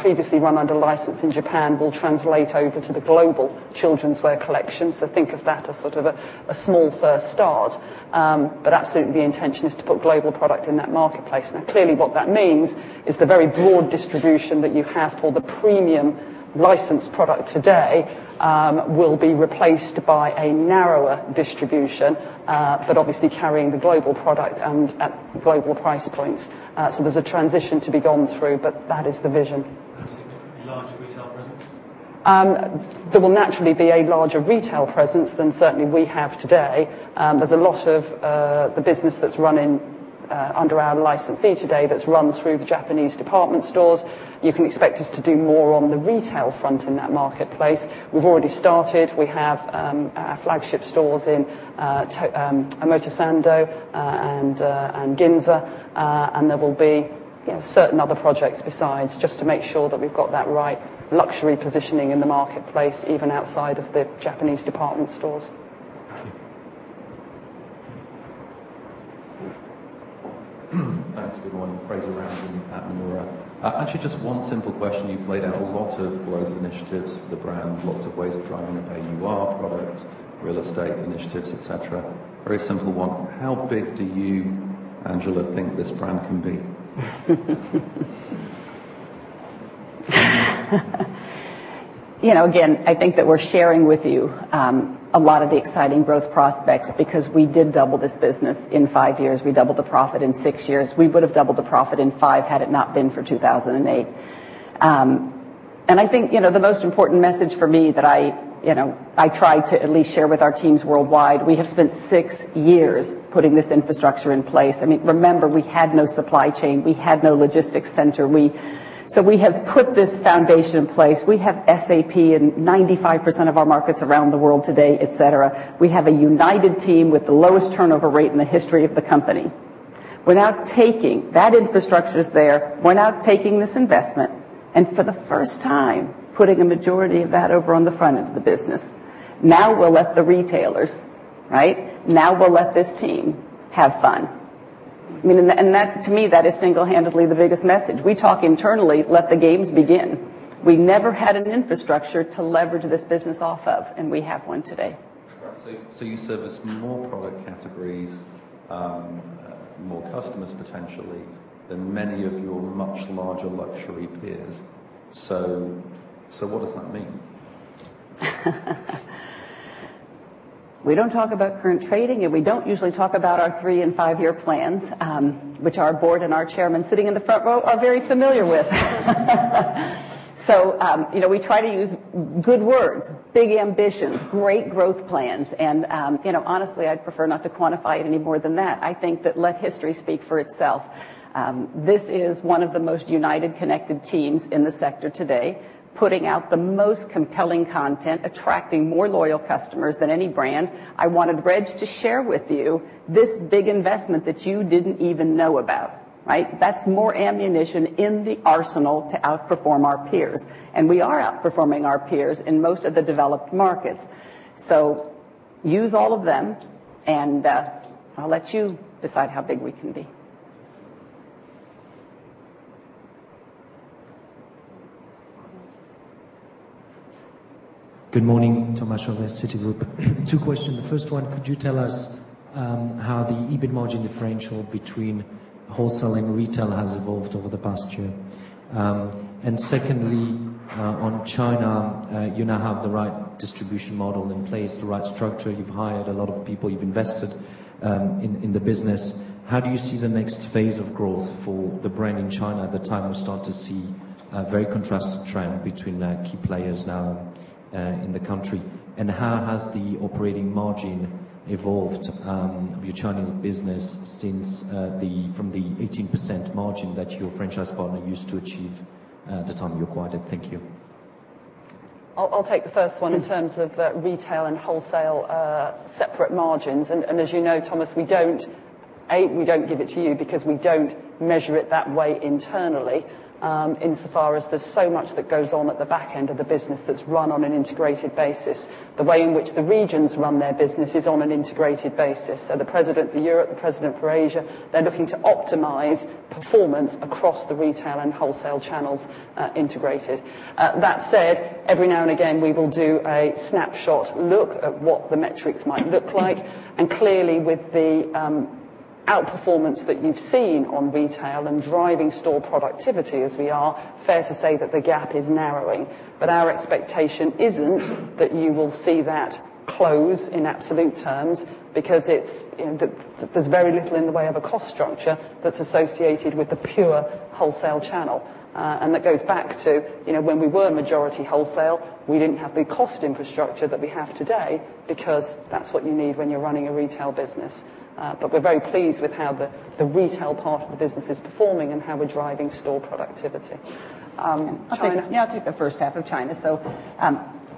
previously run under license in Japan will translate over to the global childrenswear collection. Think of that as sort of a small first start. Absolutely, the intention is to put global product in that marketplace. Now, clearly, what that means is the very broad distribution that you have for the premium licensed product today will be replaced by a narrower distribution, but obviously carrying the global product and at global price points. There's a transition to be gone through, but that is the vision. That's a significantly larger retail presence. There will naturally be a larger retail presence than certainly we have today. There's a lot of the business that's running under our licensee today that's run through the Japanese department stores. You can expect us to do more on the retail front in that marketplace. We've already started. We have our flagship stores in Omotesando and Ginza. There will be certain other projects besides, just to make sure that we've got that right luxury positioning in the marketplace, even outside of the Japanese department stores. Thank you. Thanks. Good morning. Fraser Ramzan, Nomura. Actually, just one simple question. You've laid out a lot of growth initiatives for the brand, lots of ways of driving AUR product, real estate initiatives, et cetera. Very simple one: how big do you, Angela, think this brand can be? Again, I think that we're sharing with you a lot of the exciting growth prospects because we did double this business in five years. We doubled the profit in six years. We would have doubled the profit in five had it not been for 2008. I think the most important message for me that I try to at least share with our teams worldwide, we have spent six years putting this infrastructure in place. I mean, remember, we had no supply chain. We had no logistics center. We have put this foundation in place. We have SAP in 95% of our markets around the world today, et cetera. We have a united team with the lowest turnover rate in the history of the company. That infrastructure's there. We're now taking this investment, for the first time, putting a majority of that over on the front end of the business. We'll let the retailers, right, we'll let this team have fun. I mean, that to me, that is single-handedly the biggest message. We talk internally, let the games begin. We never had an infrastructure to leverage this business off of, and we have one today. Right. You service more product categories, more customers potentially, than many of your much larger luxury peers. What does that mean? We don't talk about current trading, and we don't usually talk about our three and five-year plans, which our board and our chairman sitting in the front row are very familiar with. We try to use good words, big ambitions, great growth plans, honestly, I'd prefer not to quantify it any more than that. I think that let history speak for itself. This is one of the most united, connected teams in the sector today, putting out the most compelling content, attracting more loyal customers than any brand. I wanted Reg to share with you this big investment that you didn't even know about, right? That's more ammunition in the arsenal to outperform our peers, and we are outperforming our peers in most of the developed markets. Use all of them, and I'll let you decide how big we can be. Good morning. Thomas Chauvet, Citigroup. Two questions. The first one, could you tell us how the EBIT margin differential between wholesale and retail has evolved over the past year? Secondly, on China, you now have the right distribution model in place, the right structure. You've hired a lot of people. You've invested in the business. How do you see the next phase of growth for the brand in China? At the time, we start to see a very contrasted trend between key players now in the country. How has the operating margin evolved of your Chinese business from the 18% margin that your franchise partner used to achieve at the time you acquired it? Thank you. I'll take the first one in terms of retail and wholesale separate margins. As you know, Thomas, we don't give it to you because we don't measure it that way internally, insofar as there's so much that goes on at the back end of the business that's run on an integrated basis. The way in which the regions run their business is on an integrated basis. The president for Europe, the president for Asia, they're looking to optimize performance across the retail and wholesale channels integrated. That said, every now and again, we will do a snapshot look at what the metrics might look like, and clearly with the outperformance that you've seen on retail and driving store productivity as we are, fair to say that the gap is narrowing. Our expectation isn't that you will see that close in absolute terms, because there's very little in the way of a cost structure that's associated with the pure wholesale channel. That goes back to when we were majority wholesale, we didn't have the cost infrastructure that we have today because that's what you need when you're running a retail business. We're very pleased with how the retail part of the business is performing and how we're driving store productivity. China. I'll take the first half of China.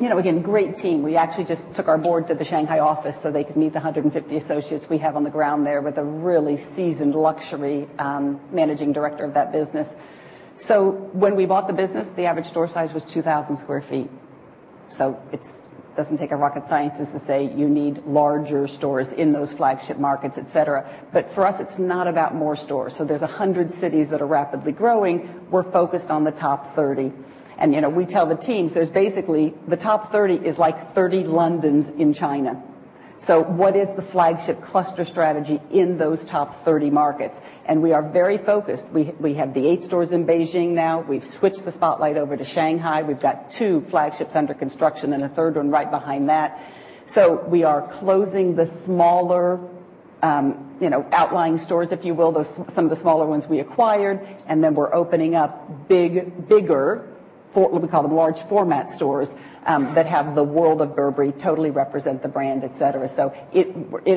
Again, great team. We actually just took our board to the Shanghai office so they could meet the 150 associates we have on the ground there with a really seasoned luxury managing director of that business. When we bought the business, the average store size was 2,000 sq ft. It doesn't take a rocket scientist to say you need larger stores in those flagship markets, et cetera. For us, it's not about more stores. There's 100 cities that are rapidly growing. We're focused on the top 30. We tell the teams the top 30 is like 30 Londons in China. What is the flagship cluster strategy in those top 30 markets? We are very focused. We have the eight stores in Beijing now. We've switched the spotlight over to Shanghai. We've got two flagships under construction and a third one right behind that. We are closing the smaller outlying stores, if you will, some of the smaller ones we acquired, and then we're opening up bigger, what we call the large format stores, that have the world of Burberry totally represent the brand, et cetera. It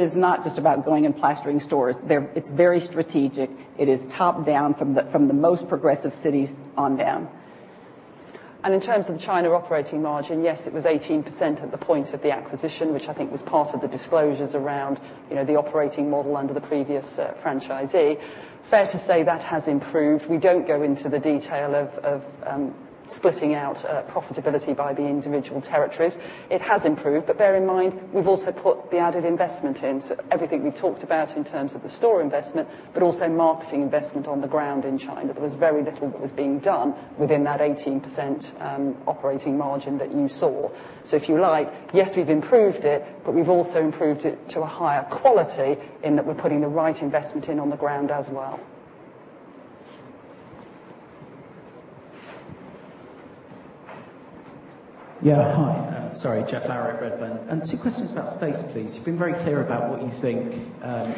is not just about going and plastering stores. It's very strategic. It is top-down from the most progressive cities on down. In terms of the China operating margin, yes, it was 18% at the point of the acquisition, which I think was part of the disclosures around the operating model under the previous franchisee. Fair to say that has improved. We don't go into the detail of splitting out profitability by the individual territories. It has improved, but bear in mind, we've also put the added investment in. Everything we've talked about in terms of the store investment, but also marketing investment on the ground in China. There was very little that was being done within that 18% operating margin that you saw. If you like, yes, we've improved it, but we've also improved it to a higher quality in that we're putting the right investment in on the ground as well. Yeah. Hi. Sorry, Geoff Lowery at Redburn. Two questions about space, please. You've been very clear about what you think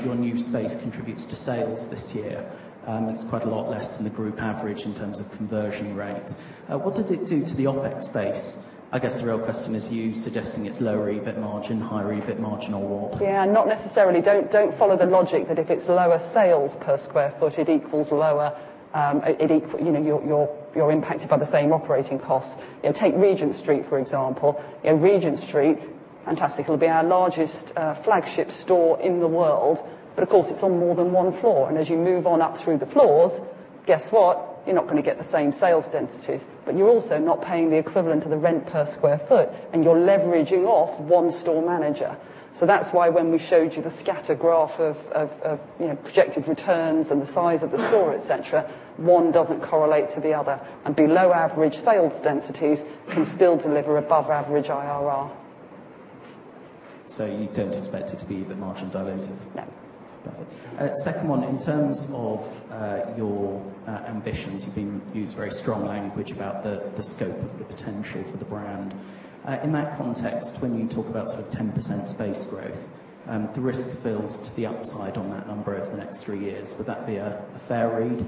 your new space contributes to sales this year, it's quite a lot less than the group average in terms of conversion rate. What does it do to the OpEx space? I guess the real question is you suggesting it's lower EBIT margin, higher EBIT margin, or what? Yeah, not necessarily. Don't follow the logic that if it's lower sales per square foot, you're impacted by the same operating costs. Take Regent Street, for example. Regent Street, fantastic. It'll be our largest flagship store in the world. Of course, it's on more than one floor, as you move on up through the floors, guess what? You're not going to get the same sales densities, you're also not paying the equivalent of the rent per square foot, you're leveraging off one store manager. That's why when we showed you the scatter graph of projected returns and the size of the store, et cetera, one doesn't correlate to the other, and below average sales densities can still deliver above average IRR. You don't expect it to be EBIT margin dilutive? No. Perfect. Second one, in terms of your ambitions, you've used very strong language about the scope of the potential for the brand. In that context, when you talk about sort of 10% space growth, the risk feels to the upside on that number over the next three years. Would that be a fair read?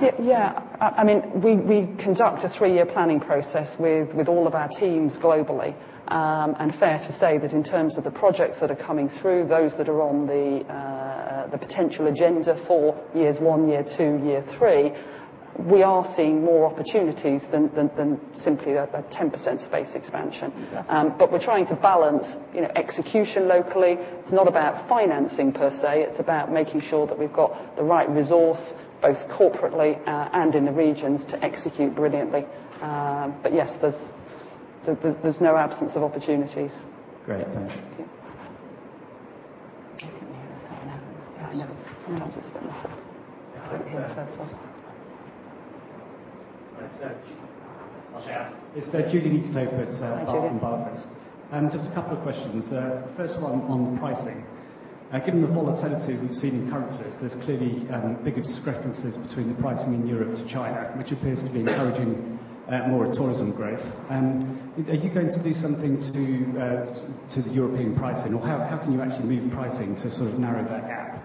Yeah. We conduct a three-year planning process with all of our teams globally, fair to say that in terms of the projects that are coming through, those that are on the potential agenda for years one, year two, year three, we are seeing more opportunities than simply a 10% space expansion. We're trying to balance execution locally. It's not about financing per se. It's about making sure that we've got the right resource, both corporately and in the regions, to execute brilliantly. Yes, there's no absence of opportunities. Great. Thanks. Okay. Yeah, I know. Sometimes it's better. Hi. Go for the first one. It's Julian Easthope. Hi, Julian. Barclays. Just a couple of questions. First of all, on pricing. Given the volatility we've seen in currencies, there's clearly bigger discrepancies between the pricing in Europe to China, which appears to be encouraging more tourism growth. Are you going to do something to the European pricing, or how can you actually move pricing to sort of narrow that gap?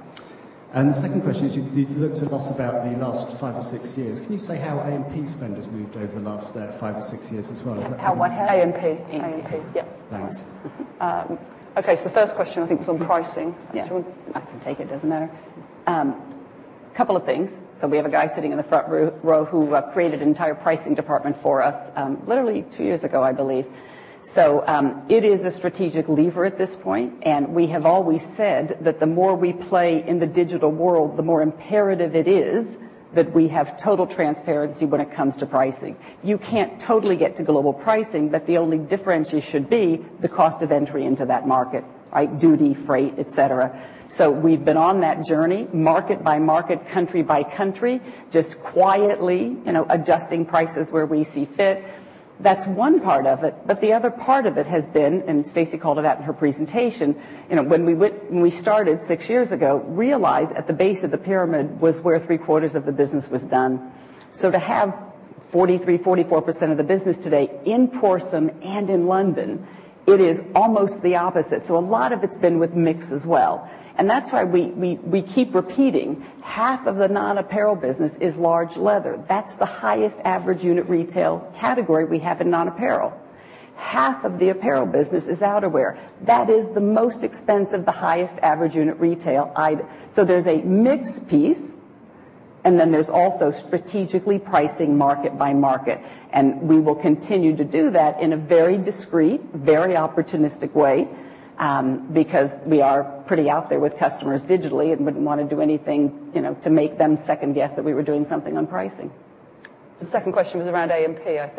The second question is, you've looked a lot about the last five or six years. Can you say how AMP spend has moved over the last five or six years as well? How what, how? AMP. AMP. Yeah. Thanks. Okay. The first question, I think, was on pricing. Yeah. I can take it. Doesn't matter. Couple of things. We have a guy sitting in the front row who created an entire pricing department for us literally two years ago, I believe. It is a strategic lever at this point, and we have always said that the more we play in the digital world, the more imperative it is that we have total transparency when it comes to pricing. You can't totally get to global pricing, but the only differentiator should be the cost of entry into that market, right? Duty, freight, et cetera. We've been on that journey, market by market, country by country, just quietly adjusting prices where we see fit. That's one part of it. The other part of it has been, Stacey called it out in her presentation, when we started 6 years ago, realized at the base of the pyramid was where three-quarters of the business was done. To have 43%-44% of the business today in Prorsum and in London, it is almost the opposite. A lot of it's been with mix as well. That's why we keep repeating half of the non-apparel business is large leather. That's the highest AUR category we have in non-apparel. Half of the apparel business is outerwear. That is the most expensive, the highest AUR item. There's a mix piece, and then there's also strategically pricing market by market. We will continue to do that in a very discreet, very opportunistic way, because we are pretty out there with customers digitally and wouldn't want to do anything to make them second guess that we were doing something on pricing. The second question was around AMP. Yes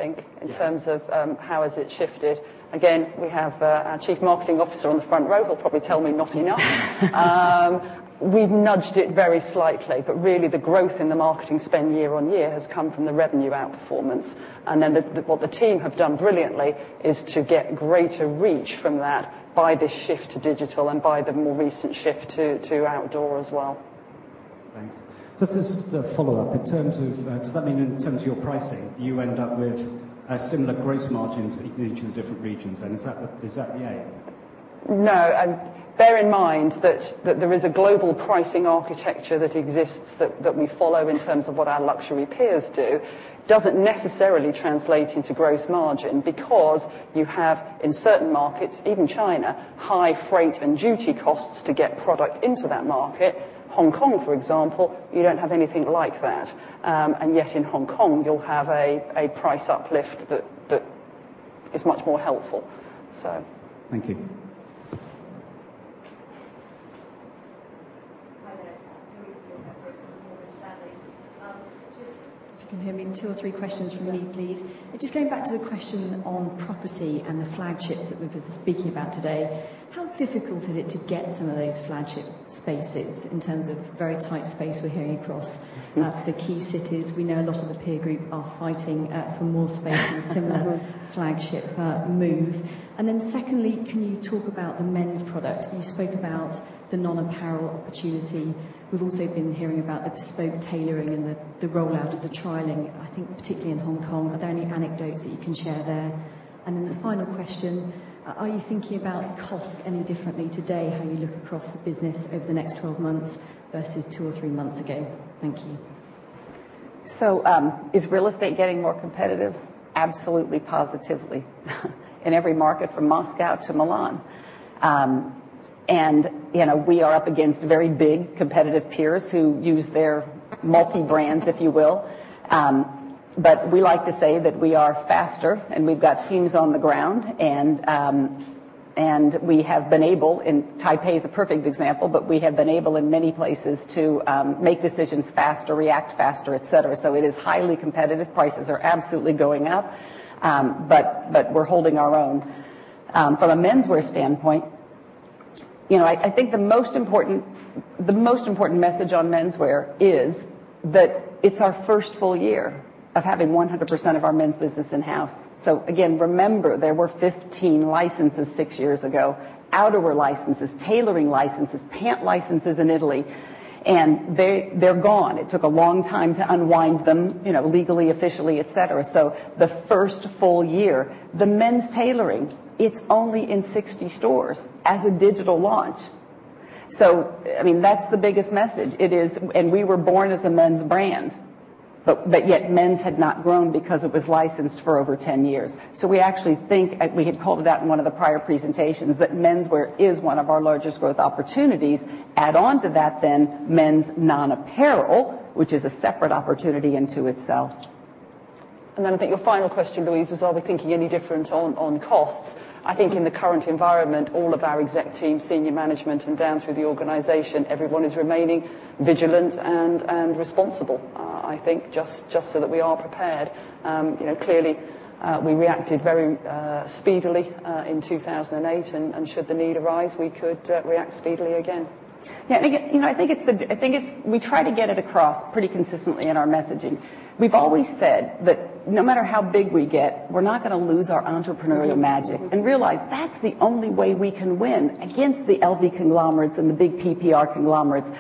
In terms of how has it shifted. Again, we have our chief marketing officer on the front row, who'll probably tell me not enough. We've nudged it very slightly, really the growth in the marketing spend year-on-year has come from the revenue outperformance. Then what the team have done brilliantly is to get greater reach from that by the shift to digital and by the more recent shift to outdoor as well. Thanks. Just as a follow-up, does that mean in terms of your pricing, you end up with similar gross margins in each of the different regions then? Is that the aim? No. Bear in mind that there is a global pricing architecture that exists that we follow in terms of what our luxury peers do. Doesn't necessarily translate into gross margin because you have, in certain markets, even China, high freight and duty costs to get product into that market. Hong Kong, for example, you don't have anything like that. Yet in Hong Kong, you'll have a price uplift that is much more helpful. Thank you. Hi there. Louise from Morgan Stanley. If you can hear me, two or three questions from me, please. Yeah. Just going back to the question on property and the flagships that we've been speaking about today. How difficult is it to get some of those flagship spaces in terms of very tight space we're hearing across- the key cities. We know a lot of the peer group are fighting for more space- in a similar flagship move. Secondly, can you talk about the men's product? You spoke about the non-apparel opportunity. We've also been hearing about the bespoke tailoring and the rollout of the trialing, I think particularly in Hong Kong. Are there any anecdotes that you can share there? The final question, are you thinking about costs any differently today, how you look across the business over the next 12 months versus two or three months ago? Thank you. Is real estate getting more competitive? Absolutely, positively in every market from Moscow to Milan. We are up against very big competitive peers who use their multi-brands, if you will. We like to say that we are faster, and we've got teams on the ground, and we have been able. Taipei is a perfect example, We have been able in many places to make decisions faster, react faster, et cetera. It is highly competitive. Prices are absolutely going up, but we're holding our own. From a menswear standpoint, I think the most important message on menswear is that it's our first full year of having 100% of our men's business in-house. Again, remember, there were 15 licenses six years ago. Outerwear licenses, tailoring licenses, pant licenses in Italy, and they're gone. It took a long time to unwind them legally, officially, et cetera. The first full year. The men's tailoring, it's only in 60 stores as a digital launch. That's the biggest message. We were born as a men's brand, but yet men's had not grown because it was licensed for over 10 years. We actually think, we had called it out in one of the prior presentations, that menswear is one of our largest growth opportunities. Add on to that men's non-apparel, which is a separate opportunity into itself. I think your final question, Louise, was are we thinking any different on costs? I think in the current environment, all of our exec team, senior management, and down through the organization, everyone is remaining vigilant and responsible. I think just so that we are prepared. Clearly, we reacted very speedily in 2008, and should the need arise, we could react speedily again. I think we try to get it across pretty consistently in our messaging. We've always said that no matter how big we get, we're not going to lose our entrepreneurial magic and realize that's the only way we can win against the LV conglomerates and the big PPR conglomerates.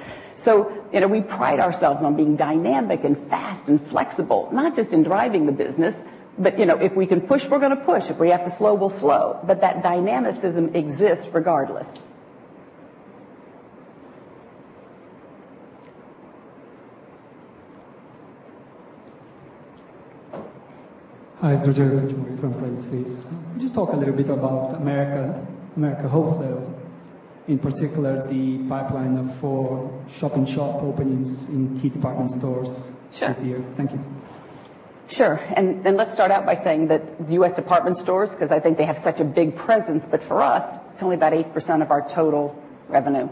We pride ourselves on being dynamic and fast and flexible, not just in driving the business, but if we can push, we're going to push. If we have to slow, we'll slow. That dynamicism exists regardless. Hi, it's Rogerio from Credit Suisse. Could you talk a little bit about America Wholesale, in particular, the pipeline for shop-in-shop openings in key department stores this year? Sure. Thank you. Sure. Let's start out by saying that U.S. department stores, because I think they have such a big presence, but for us, it's only about 8% of our total revenue.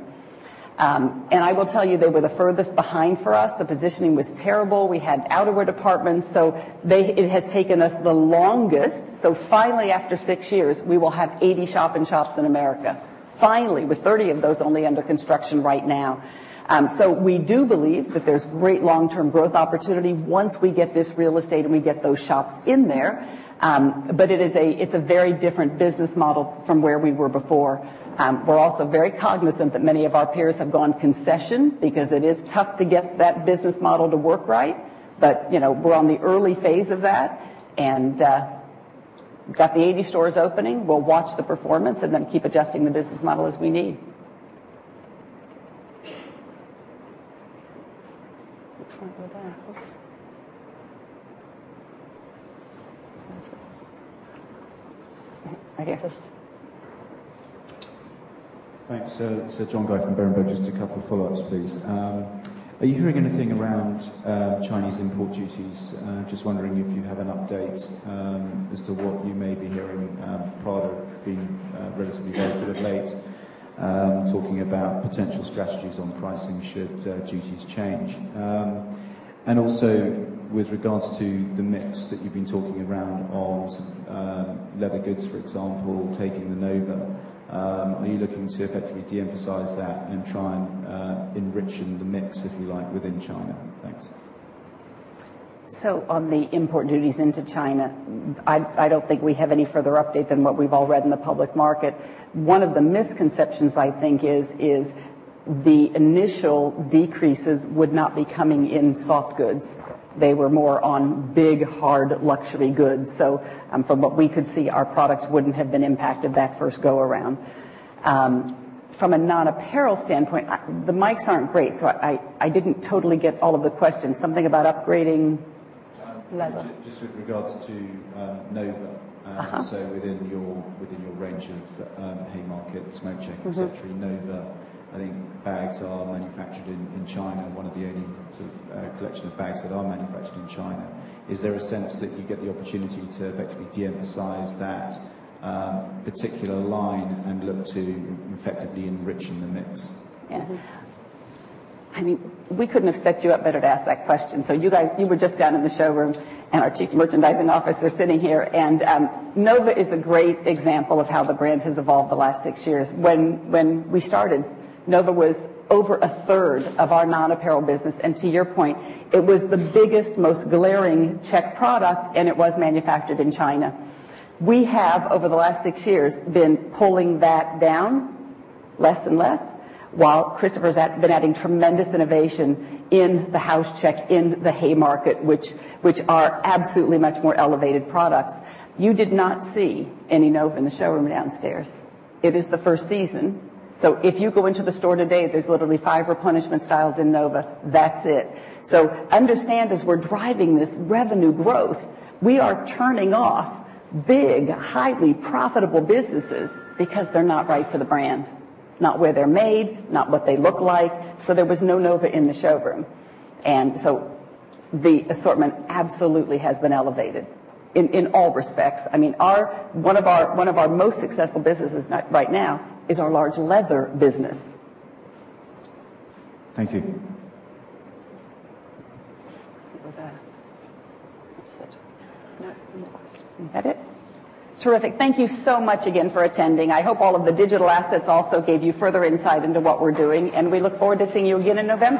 I will tell you, they were the furthest behind for us. The positioning was terrible. We had outerwear departments. It has taken us the longest. Finally, after six years, we will have 80 shop-in-shops in America. Finally, with 30 of those only under construction right now. We do believe that there's great long-term growth opportunity once we get this real estate and we get those shops in there. It's a very different business model from where we were before. We're also very cognizant that many of our peers have gone concession because it is tough to get that business model to work right. We're on the early phase of that, and got the 80 stores opening. We'll watch the performance and then keep adjusting the business model as we need. Looks like we're there. Right here. Thanks. Jon Guy from Berenberg. Just a couple of follow-ups, please. Are you hearing anything around Chinese import duties? Just wondering if you have an update as to what you may be hearing. Prada being relatively vocal of late, talking about potential strategies on pricing should duties change. Also with regards to the mix that you've been talking around on leather goods, for example, taking the Nova. Are you looking to effectively de-emphasize that and try and enrich the mix, if you like, within China? Thanks. On the import duties into China, I don't think we have any further update than what we've all read in the public market. One of the misconceptions, I think, is the initial decreases would not be coming in soft goods. They were more on big, hard luxury goods. From what we could see, our products wouldn't have been impacted that first go-around. From a non-apparel standpoint, the mics aren't great, so I didn't totally get all of the questions. Something about upgrading leather. Just with regards to Nova. Within your range of Haymarket, Smoked Check, et cetera, Nova, I think bags are manufactured in China, one of the only collection of bags that are manufactured in China. Is there a sense that you get the opportunity to effectively de-emphasize that particular line and look to effectively enriching the mix? Yeah. We couldn't have set you up better to ask that question. You were just down in the showroom, and our chief merchandising officer is sitting here. Nova is a great example of how the brand has evolved the last 6 years. When we started, Nova was over a third of our non-apparel business. To your point, it was the biggest, most glaring check product, and it was manufactured in China. We have, over the last 6 years, been pulling that down less and less, while Christopher's been adding tremendous innovation in the House Check in the Haymarket, which are absolutely much more elevated products. You did not see any Nova in the showroom downstairs. It is the first season. If you go into the store today, there's literally five replenishment styles in Nova. That's it. Understand, as we're driving this revenue growth, we are turning off big, highly profitable businesses because they're not right for the brand, not where they're made, not what they look like. There was no Nova in the showroom. The assortment absolutely has been elevated in all respects. One of our most successful businesses right now is our large leather business. Thank you. I think we're there. That's it. No, no more. Is that it? Terrific. Thank you so much again for attending. I hope all of the digital assets also gave you further insight into what we're doing. We look forward to seeing you again in November.